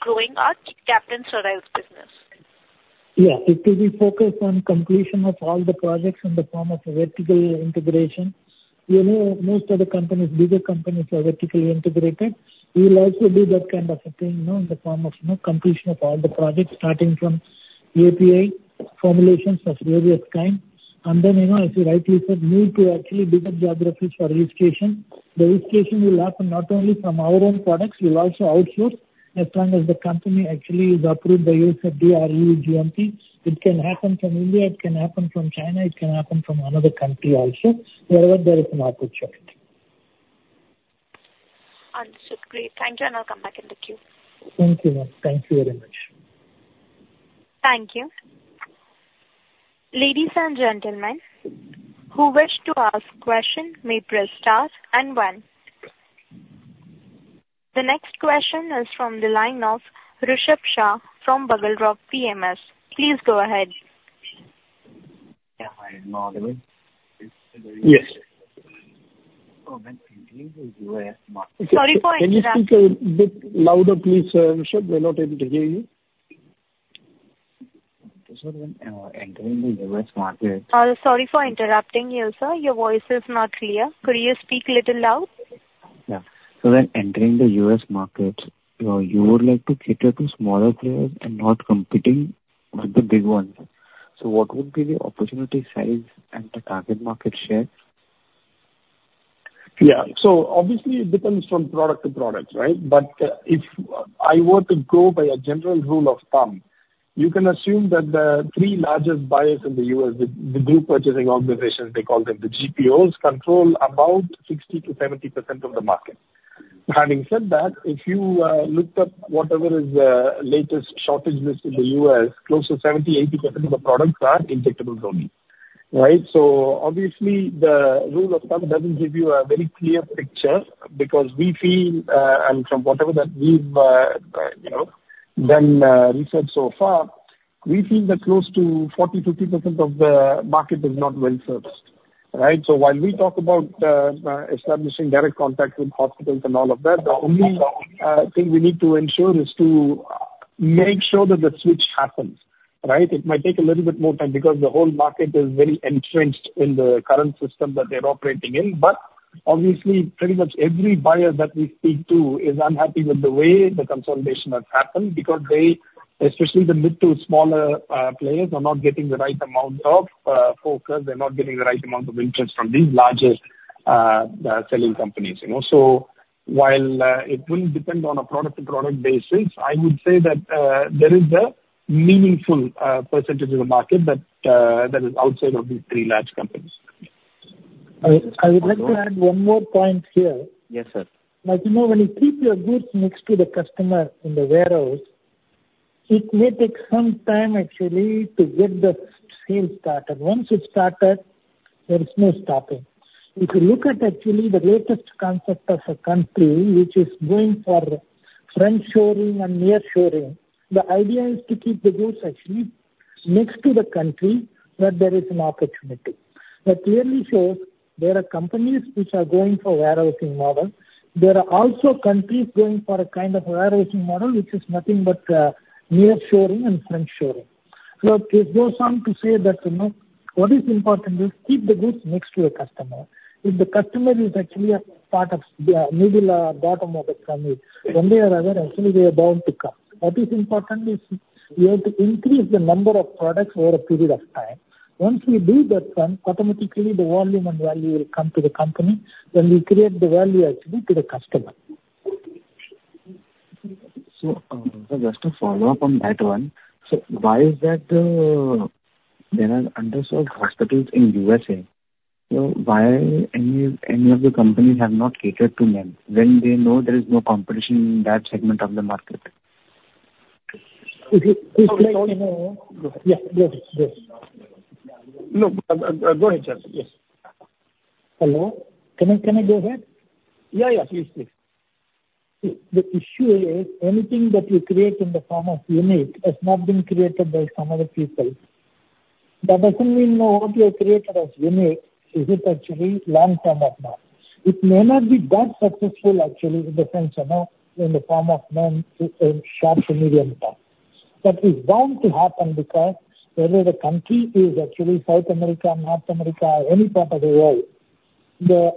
growing our Caplin Steriles business. Yeah. It will be focused on completion of all the projects in the form of vertical integration. Most of the companies, bigger companies are vertically integrated. We will also do that kind of a thing in the form of completion of all the projects, starting from API formulations of various kinds. And then as you rightly said, move to actually bigger geographies for registration. The registration will happen not only from our own products. We will also outsource as long as the company actually is approved by U.S. FDA, EU GMP. It can happen from India. It can happen from China. It can happen from another country also, wherever there is an opportunity. Understood. Great. Thank you, and I'll come back in the queue. Thank you. Thank you very much. Thank you. Ladies and gentlemen, who wished to ask question may press stars and one. The next question is from the line of Rishab Shah from BugleRock Capital. Please go ahead. Yes. Sorry for interrupting. Can you speak a bit louder, please, Rishab? We're not able to hear you. Sorry for interrupting you, sir. Your voice is not clear. Could you speak a little loud? Yeah. So then entering the US market, you would like to cater to smaller players and not competing with the big ones. So what would be the opportunity size and the target market share? Yeah. So obviously, it depends from product to product, right? But if I were to go by a general rule of thumb, you can assume that the three largest buyers in the US, the group purchasing organizations, they call them the GPOs, control about 60%-70% of the market. Having said that, if you looked up whatever is the latest shortage list in the US, close to 70%-80% of the products are injectables only, right? So obviously, the rule of thumb doesn't give you a very clear picture because we feel, and from whatever that we've done research so far, we feel that close to 40%-50% of the market is not well serviced, right? So while we talk about establishing direct contact with hospitals and all of that, the only thing we need to ensure is to make sure that the switch happens, right? It might take a little bit more time because the whole market is very entrenched in the current system that they're operating in. But obviously, pretty much every buyer that we speak to is unhappy with the way the consolidation has happened because they, especially the mid to smaller players, are not getting the right amount of focus. They're not getting the right amount of interest from these larger selling companies. So while it will depend on a product-to-product basis, I would say that there is a meaningful percentage of the market that is outside of these three large companies. I would like to add one more point here. Yes, sir. As you know, when you keep your goods next to the customer in the warehouse, it may take some time actually to get the sales started. Once it started, there is no stopping. If you look at actually the latest concept of a country which is going for friend-shoring and near-shoring, the idea is to keep the goods actually next to the country where there is an opportunity. That clearly shows there are companies which are going for warehousing model. There are also countries going for a kind of warehousing model which is nothing but near-shoring and friend-shoring. So it goes on to say that what is important is keep the goods next to a customer. If the customer is actually a part of the middle or bottom of the family, one way or other actually they are bound to come. What is important is you have to increase the number of products over a period of time. Once we do that, automatically the volume and value will come to the company. Then we create the value actually to the customer. Just to follow up on that one, why is that there are underserved hospitals in USA? Why any of the companies have not catered to them when they know there is no competition in that segment of the market? Please go ahead. Go ahead. Go ahead, sir. Yes. Hello? Can I go ahead? Yeah, yeah. Please, please. The issue is anything that you create in the form of unique has not been created by some other people. That doesn't mean what you have created as unique isn't actually long-term or not. It may not be that successful actually in the sense in the form of non-sharpened medium term. But it's bound to happen because whether the country is actually South America, North America, or any part of the world, the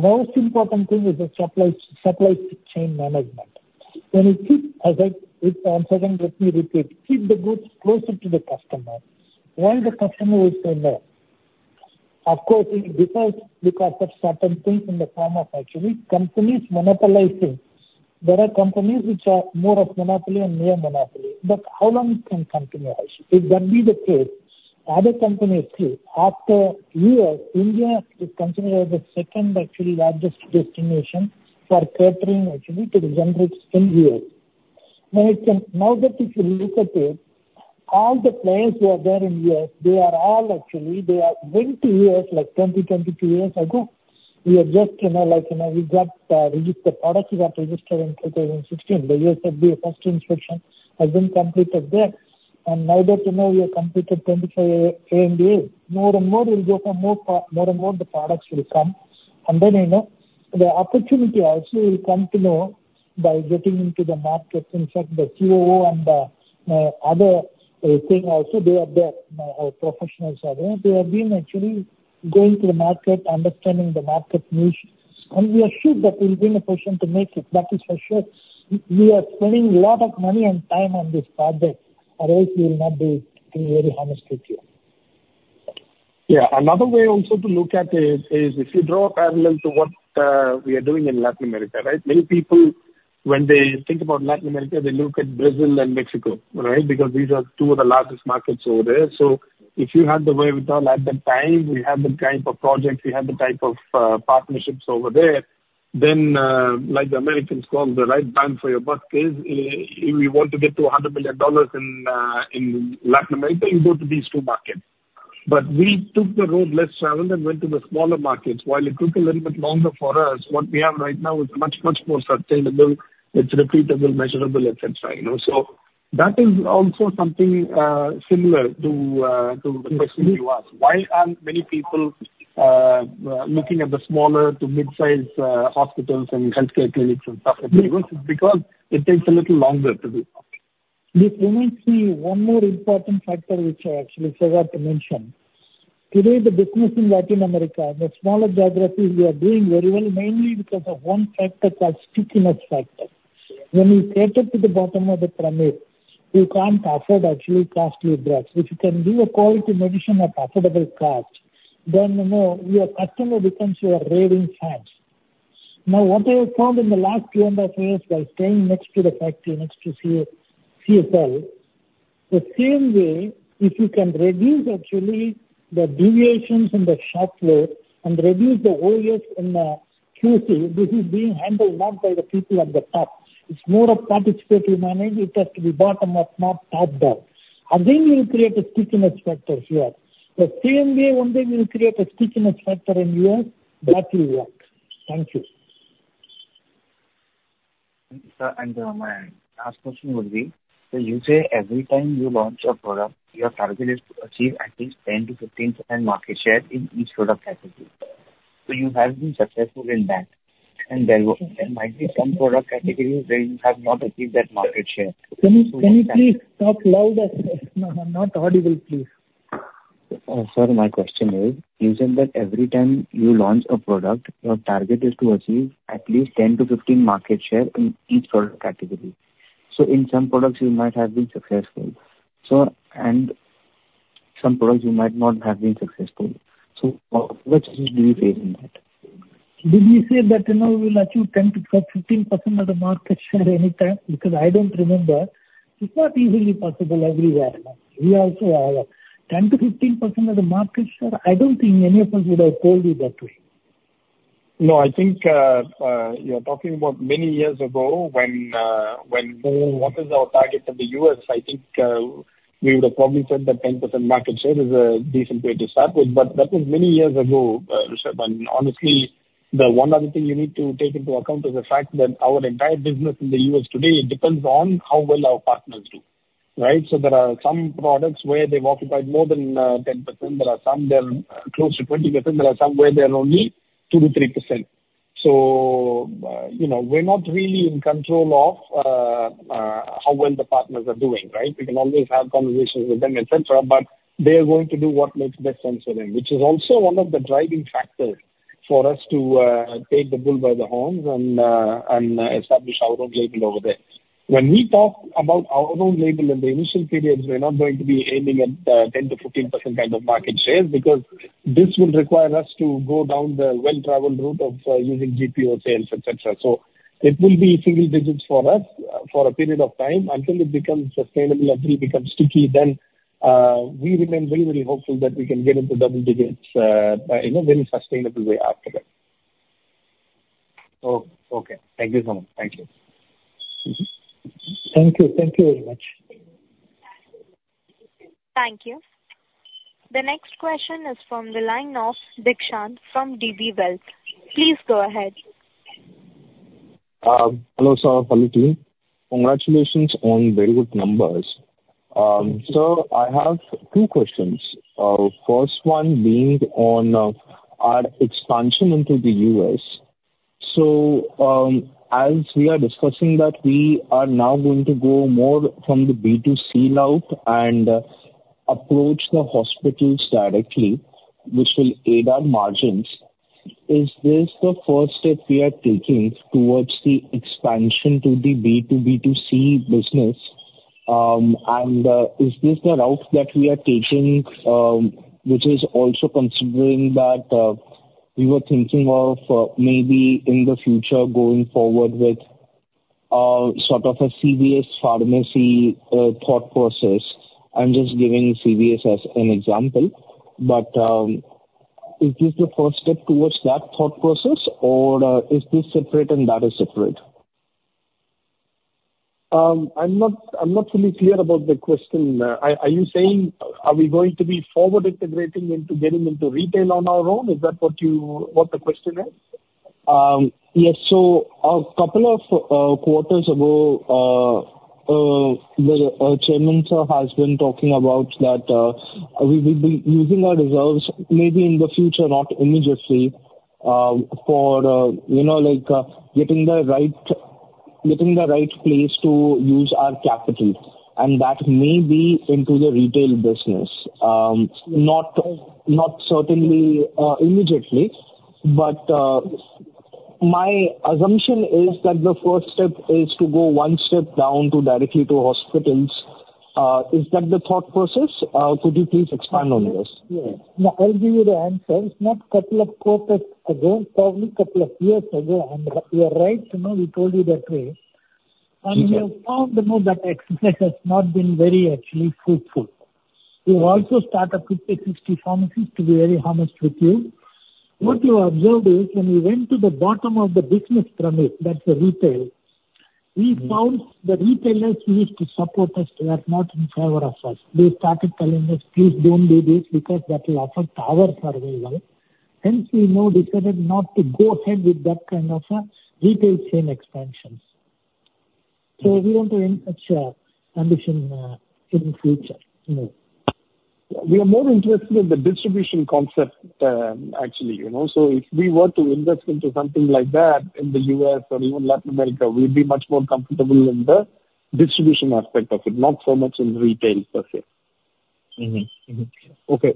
most important thing is the supply chain management. When you keep, as I keep on saying, let me repeat, keep the goods closer to the customer, why the customer will say no. Of course, because of certain things in the form of actually companies monopolizing. There are companies which are more of monopoly and near monopoly. But how long can it continue? If that be the case, other companies too. After years, India is considered the second actually largest destination for catering actually to the generics in the U.S. Now that if you look at it, all the players who are there in the U.S., they are all actually, they are going to U.S. like 20, 22 years ago. We are just like we got registered products got registered in 2016. The U.S. FDA first inspection has been completed there. And now that you know, you have completed 25 ANDAs. More and more will go for more and more the products will come. And then the opportunity also will come to know by getting into the market. In fact, the COO and the other thing also, they are there. Our professionals are there. They have been actually going to the market, understanding the market niche. We are sure that we'll be in a position to make it. That is for sure. We are spending a lot of money and time on this project. Otherwise, we will not be very honest with you. Yeah. Another way also to look at it is if you draw a parallel to what we are doing in Latin America, right? Many people, when they think about Latin America, they look at Brazil and Mexico, right? Because these are two of the largest markets over there. So if you had the wherewithal at the time, we had the type of projects, we had the type of partnerships over there, then like the Americans call the right time for your buck is if you want to get to $100 million in Latin America, you go to these two markets. But we took the road less traveled and went to the smaller markets. While it took a little bit longer for us, what we have right now is much, much more sustainable. It's repeatable, measurable, etc. So that is also something similar to the question you asked. Why aren't many people looking at the smaller to mid-size hospitals and healthcare clinics and stuff like that? Because it takes a little longer to do. Yes. Let me see. One more important factor which I actually forgot to mention. Today, the business in Latin America and the smaller geographies, we are doing very well mainly because of one factor called stickiness factor. When you cater to the bottom of the pyramid, you can't afford actually costly drugs. If you can do a quality medicine at affordable cost, then we are cutting the difference to a raving fan. Now, what I have found in the last two and a half years by staying next to the factory, next to CSL, the same way, if you can reduce actually the deviations in the shop floor and reduce the OS in the QC, this is being handled not by the people at the top. It's more of participatory management. It has to be bottom of top down, and then you'll create a stickiness factor here. The same way, one day we'll create a stickiness factor in the U.S., that will work. Thank you. Thank you, sir. And my last question would be, so you say every time you launch a product, your target is to achieve at least 10%-15% market share in each product category. So you have been successful in that. And there might be some product categories where you have not achieved that market share. Can you please talk louder? Not audible, please. Sir, my question is, you said that every time you launch a product, your target is to achieve at least 10%-15% market share in each product category. So in some products, you might have been successful. And some products, you might not have been successful. So what issues do you face in that? Did you say that we will achieve 10%-15% of the market share anytime? Because I don't remember. It's not easily possible everywhere. We also have 10%-15% of the market share. I don't think any of us would have told you that way. No, I think you're talking about many years ago when what is our target in the U.S.? I think we would have probably said that 10% market share is a decent way to start with. But that was many years ago, Rishab. And honestly, the one other thing you need to take into account is the fact that our entire business in the U.S. today depends on how well our partners do, right? So there are some products where they've occupied more than 10%. There are some that are close to 20%. There are some where they're only 2%-3%. So we're not really in control of how well the partners are doing, right? We can always have conversations with them, etc., but they are going to do what makes best sense for them, which is also one of the driving factors for us to take the bull by the horns and establish our own label over there. When we talk about our own label in the initial periods, we're not going to be aiming at 10%-15% kind of market shares because this will require us to go down the well-traveled route of using GPO sales, etc. So it will be single digits for us for a period of time until it becomes sustainable and really becomes sticky. Then we remain very, very hopeful that we can get into double digits in a very sustainable way after that. Okay. Thank you so much. Thank you. Thank you. Thank you very much. Thank you. The next question is from the line of Dikshan from DB Wealth. Please go ahead. Hello, sir. Hello to you. Congratulations on very good numbers. Sir, I have two questions. First one being on our expansion into the U.S. So as we are discussing that we are now going to go more from the B2C route and approach the hospitals directly, which will aid our margins. Is this the first step we are taking towards the expansion to the B2B2C business? And is this the route that we are taking, which is also considering that we were thinking of maybe in the future going forward with sort of a CVS pharmacy thought process? I'm just giving CVS as an example. But is this the first step towards that thought process, or is this separate and that is separate? I'm not fully clear about the question. Are you saying, are we going to be forward integrating into getting into retail on our own? Is that what the question is? Yes. So a couple of quarters ago, the chairman has been talking about that we've been using our reserves maybe in the future, not immediately, for getting the right place to use our capital, and that may be into the retail business, not certainly immediately, but my assumption is that the first step is to go one step down directly to hospitals. Is that the thought process? Could you please expand on this? Yeah. I'll give you the answer. It's not a couple of quarters ago, probably a couple of years ago. And you're right. We told you that way. And we have found that that exercise has not been very actually fruitful. We've also started 50, 60 pharmacies, to be very honest with you. What we observed is when we went to the bottom of the business pyramid, that's the retail, we found the retailers who used to support us were not in favor of us. They started telling us, "Please don't do this because that will affect our survival." Hence, we now decided not to go ahead with that kind of retail chain expansions. So we want to end such condition in the future. We are more interested in the distribution concept, actually. So if we were to invest into something like that in the U.S. or even Latin America, we'd be much more comfortable in the distribution aspect of it, not so much in retail per se. Okay.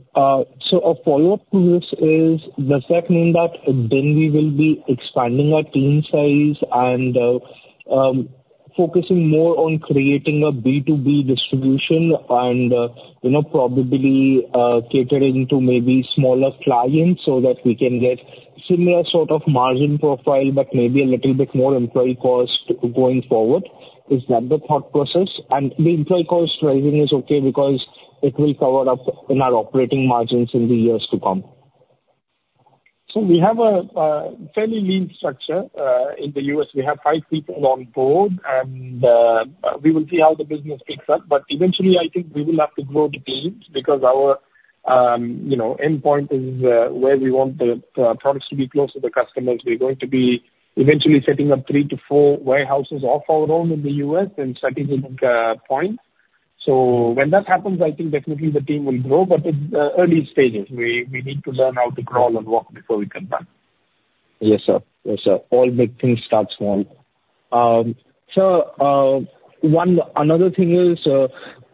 So a follow-up to this is the second that then we will be expanding our team size and focusing more on creating a B2B distribution and probably catering to maybe smaller clients so that we can get similar sort of margin profile, but maybe a little bit more employee cost going forward. Is that the thought process? And the employee cost rising is okay because it will cover up in our operating margins in the years to come. So we have a fairly lean structure in the U.S. We have five people on board, and we will see how the business picks up, but eventually, I think we will have to grow the team because our endpoint is where we want the products to be close to the customers. We're going to be eventually setting up three to four warehouses of our own in the U.S. and starting to make inroads. So when that happens, I think definitely the team will grow, but it's early stages. We need to learn how to crawl and walk before we can run. Yes, sir. Yes, sir. All big things start small. Sir, another thing is,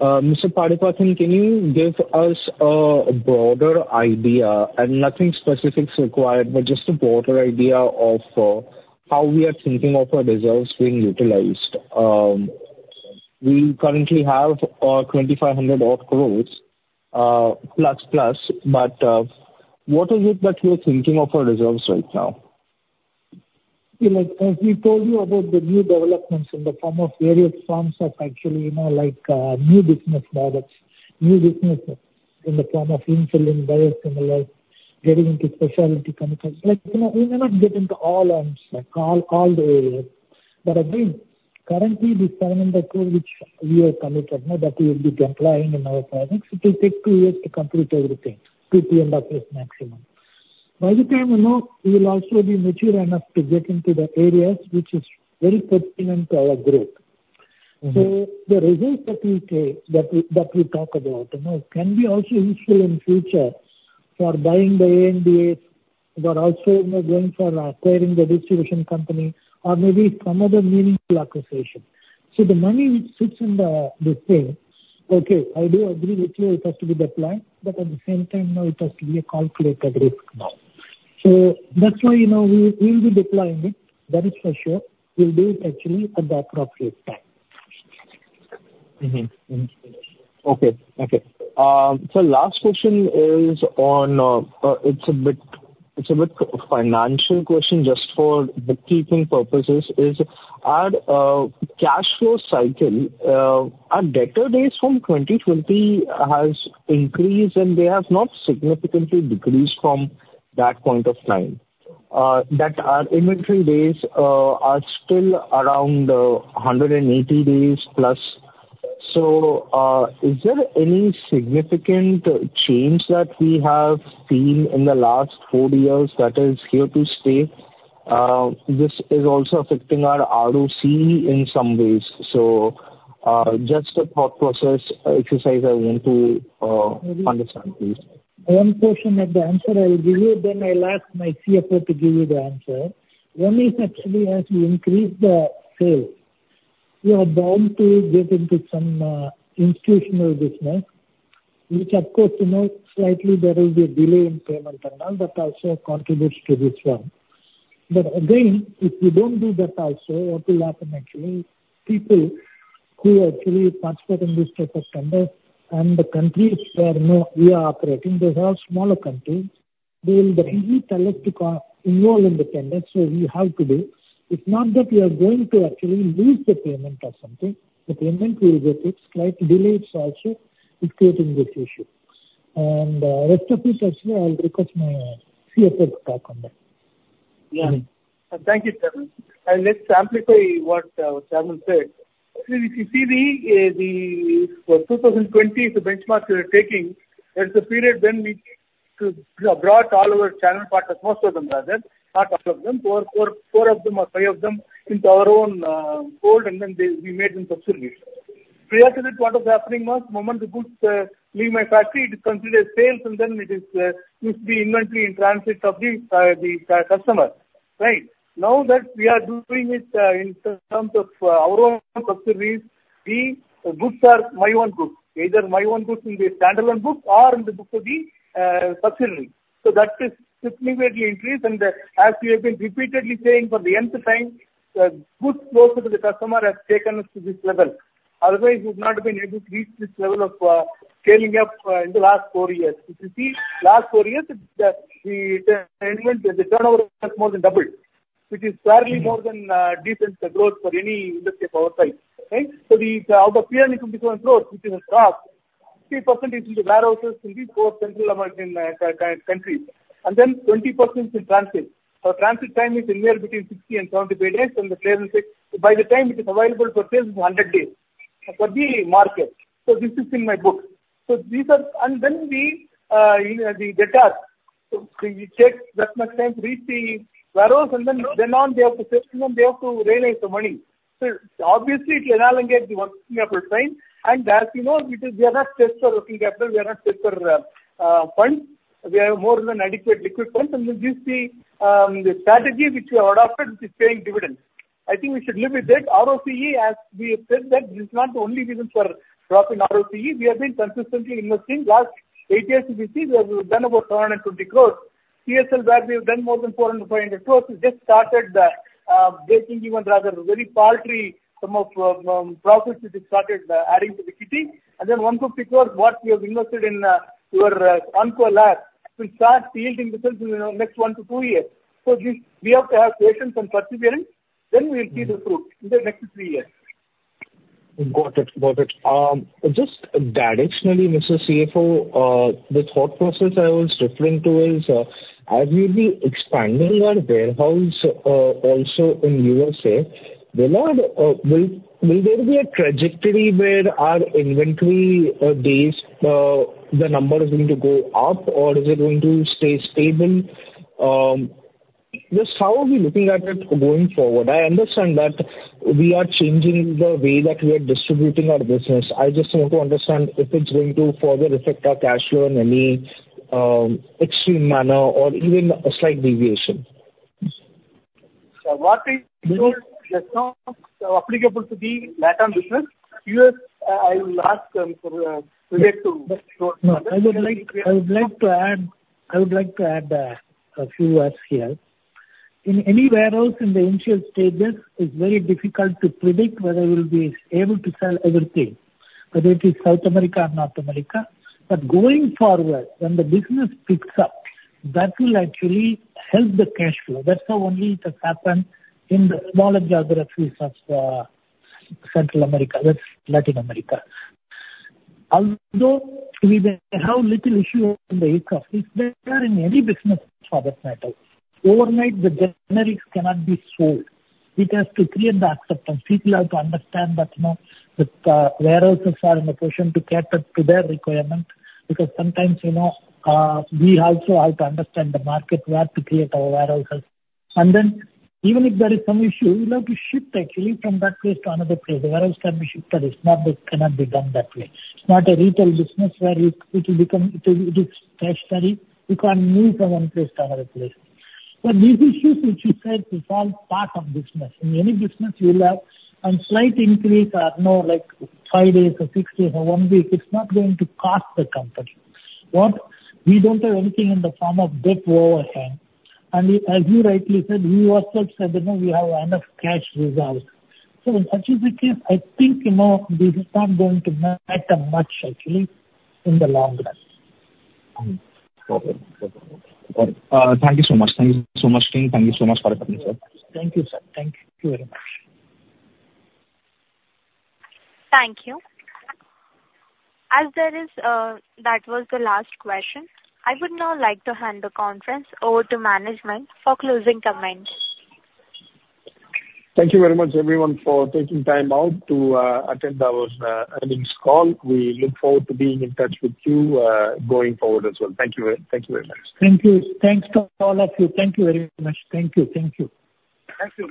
Mr. Paarthipan, can you give us a broader idea? And nothing specific is required, but just a broader idea of how we are thinking of our reserves being utilized. We currently have 2,500-odd crores. But what is it that you're thinking of our reserves right now? As we told you about the new developments in the form of various forms of actually new business models, new businesses in the form of insulin, biosimilars, getting into specialty chemicals. We may not get into all arms, all the areas, but again, currently, the pyramid approach which we are committed that we will be deploying in our products, it will take two years to complete everything to the end of this maximum. By the time we know, we'll also be mature enough to get into the areas which is very pertinent to our growth, so the results that we talk about can be also useful in the future for buying the ANDAs, but also going for acquiring the distribution company or maybe some other meaningful acquisition, so the money which sits in the thing, okay, I do agree with you, it has to be deployed. But at the same time, it has to be a calculated risk now. So that's why we'll be deploying it. That is for sure. We'll do it actually at the appropriate time. Okay. Okay. Sir, last question is on. It's a bit financial question just for bookkeeping purposes. Is our cash flow cycle, our debtor days from 2020 has increased, and they have not significantly decreased from that point of time? That our inventory days are still around 180 days plus. So is there any significant change that we have seen in the last four years that is here to stay? This is also affecting our ROC in some ways. So just a thought process exercise I want to understand, please. One question, the answer I will give you, then I'll ask my CFO to give you the answer. One is actually as we increase the sales, we are bound to get into some institutional business, which of course, slightly there will be a delay in payment and all that also contributes to this one. But again, if we don't do that also, what will happen actually? People who are actually transporting this type of tenders and the countries where we are operating, those are smaller countries, they will be very selective involved in the tenders. So we have to do. It's not that we are going to actually lose the payment or something. The payment will get fixed. Slight delays also is creating this issue, and rest of it, actually, I'll request my CFO to talk on that. Yeah. Thank you, sir. And let's amplify what Chairman said. If you see the 2020, the benchmark we were taking, there's a period when we brought all of our channel partners, most of them rather, not all of them, four of them or five of them into our own fold, and then we made them subsidiaries. Previously, what was happening was the moment you put, "Leave my factory," it is considered sales, and then it is used to be inventory and transit of the customer. Right? Now that we are doing it in terms of our own subsidiaries, the goods are my own goods. Either my own goods in the standalone books or in the book of the subsidiary. So that is significantly increased. And as we have been repeatedly saying for the nth time, the goods closer to the customer have taken us to this level. Otherwise, we've not been able to reach this level of scaling up in the last four years. If you see, last four years, the turnover has more than doubled, which is fairly more than decent growth for any industry of our type. Right? So out of PN in 2021 growth, which is a shock, 50% is in the warehouses in these four Central American countries. And then 20% is in transit. So transit time is anywhere between 60 and 70 days. And by the time it is available for sales, it's 100 days for the market. So this is in my book. So these are and then the debtors, they take that much time to reach the warehouse. And then on, they have to sell. And then they have to realize the money. So obviously, it will annihilate the working capital fine. As you know, we are not just for working capital. We are not just for funds. We have more than adequate liquid funds. And then this is the strategy which we have adopted, which is paying dividends. I think we should live with that. ROCE, as we have said, that this is not the only reason for dropping ROCE. We have been consistently investing. Last eight years to this year, we have done about 420 crores. CSL, where we have done more than 400-500 crores, we just started breaking even rather very paltry sum of profits which we started adding to the kitty. And then 150 crores, what we have invested in our Caplin One Labs, we'll start yielding results in the next one to two years. So we have to have patience and perseverance. Then we'll see the fruit in the next three years. Got it. Got it. Just directionally, Mr. CFO, the thought process I was referring to is, as we will be expanding our warehouse also in USA, will there be a trajectory where our inventory days, the number is going to go up, or is it going to stay stable? Just how are we looking at it going forward? I understand that we are changing the way that we are distributing our business. I just want to understand if it's going to further affect our cash flow in any extreme manner or even a slight deviation. What is the term applicable to the latter business? I will ask for a predictable. I would like to add a few words here. In any warehouse in the initial stages, it's very difficult to predict whether we'll be able to sell everything, whether it is South America or North America, but going forward, when the business picks up, that will actually help the cash flow. That's how only it has happened in the smaller geographies of Central America. That's Latin America. Although we may have little issues in the U.S., it's better in any business for that matter. Overnight, the generics cannot be sold. It has to create the acceptance. People have to understand that the warehouses are in a position to cater to their requirement because sometimes we also have to understand the market where to create our warehouses, and then even if there is some issue, we'll have to shift actually from that place to another place. The warehouse can be shifted. It cannot be done that way. It's not a retail business where it is tertiary. You can't move from one place to another place. But these issues which you said are part of business. In any business, you'll have a slight increase or no like five days or six days or one week. It's not going to cost the company. We don't have anything in the form of debt overhead. And as you rightly said, we ourselves said, "We have enough cash reserves." So in such a case, I think this is not going to matter much actually in the long run. Got it. Got it. Thank you so much. Thank you so much, team. Thank you so much, Paarthipan, sir. Thank you, sir. Thank you very much. Thank you. As that was the last question, I would now like to hand the conference over to management for closing comments. Thank you very much, everyone, for taking time out to attend our earnings call. We look forward to being in touch with you going forward as well. Thank you very much. Thank you. Thanks to all of you. Thank you very much. Thank you. Thank you. Thank you.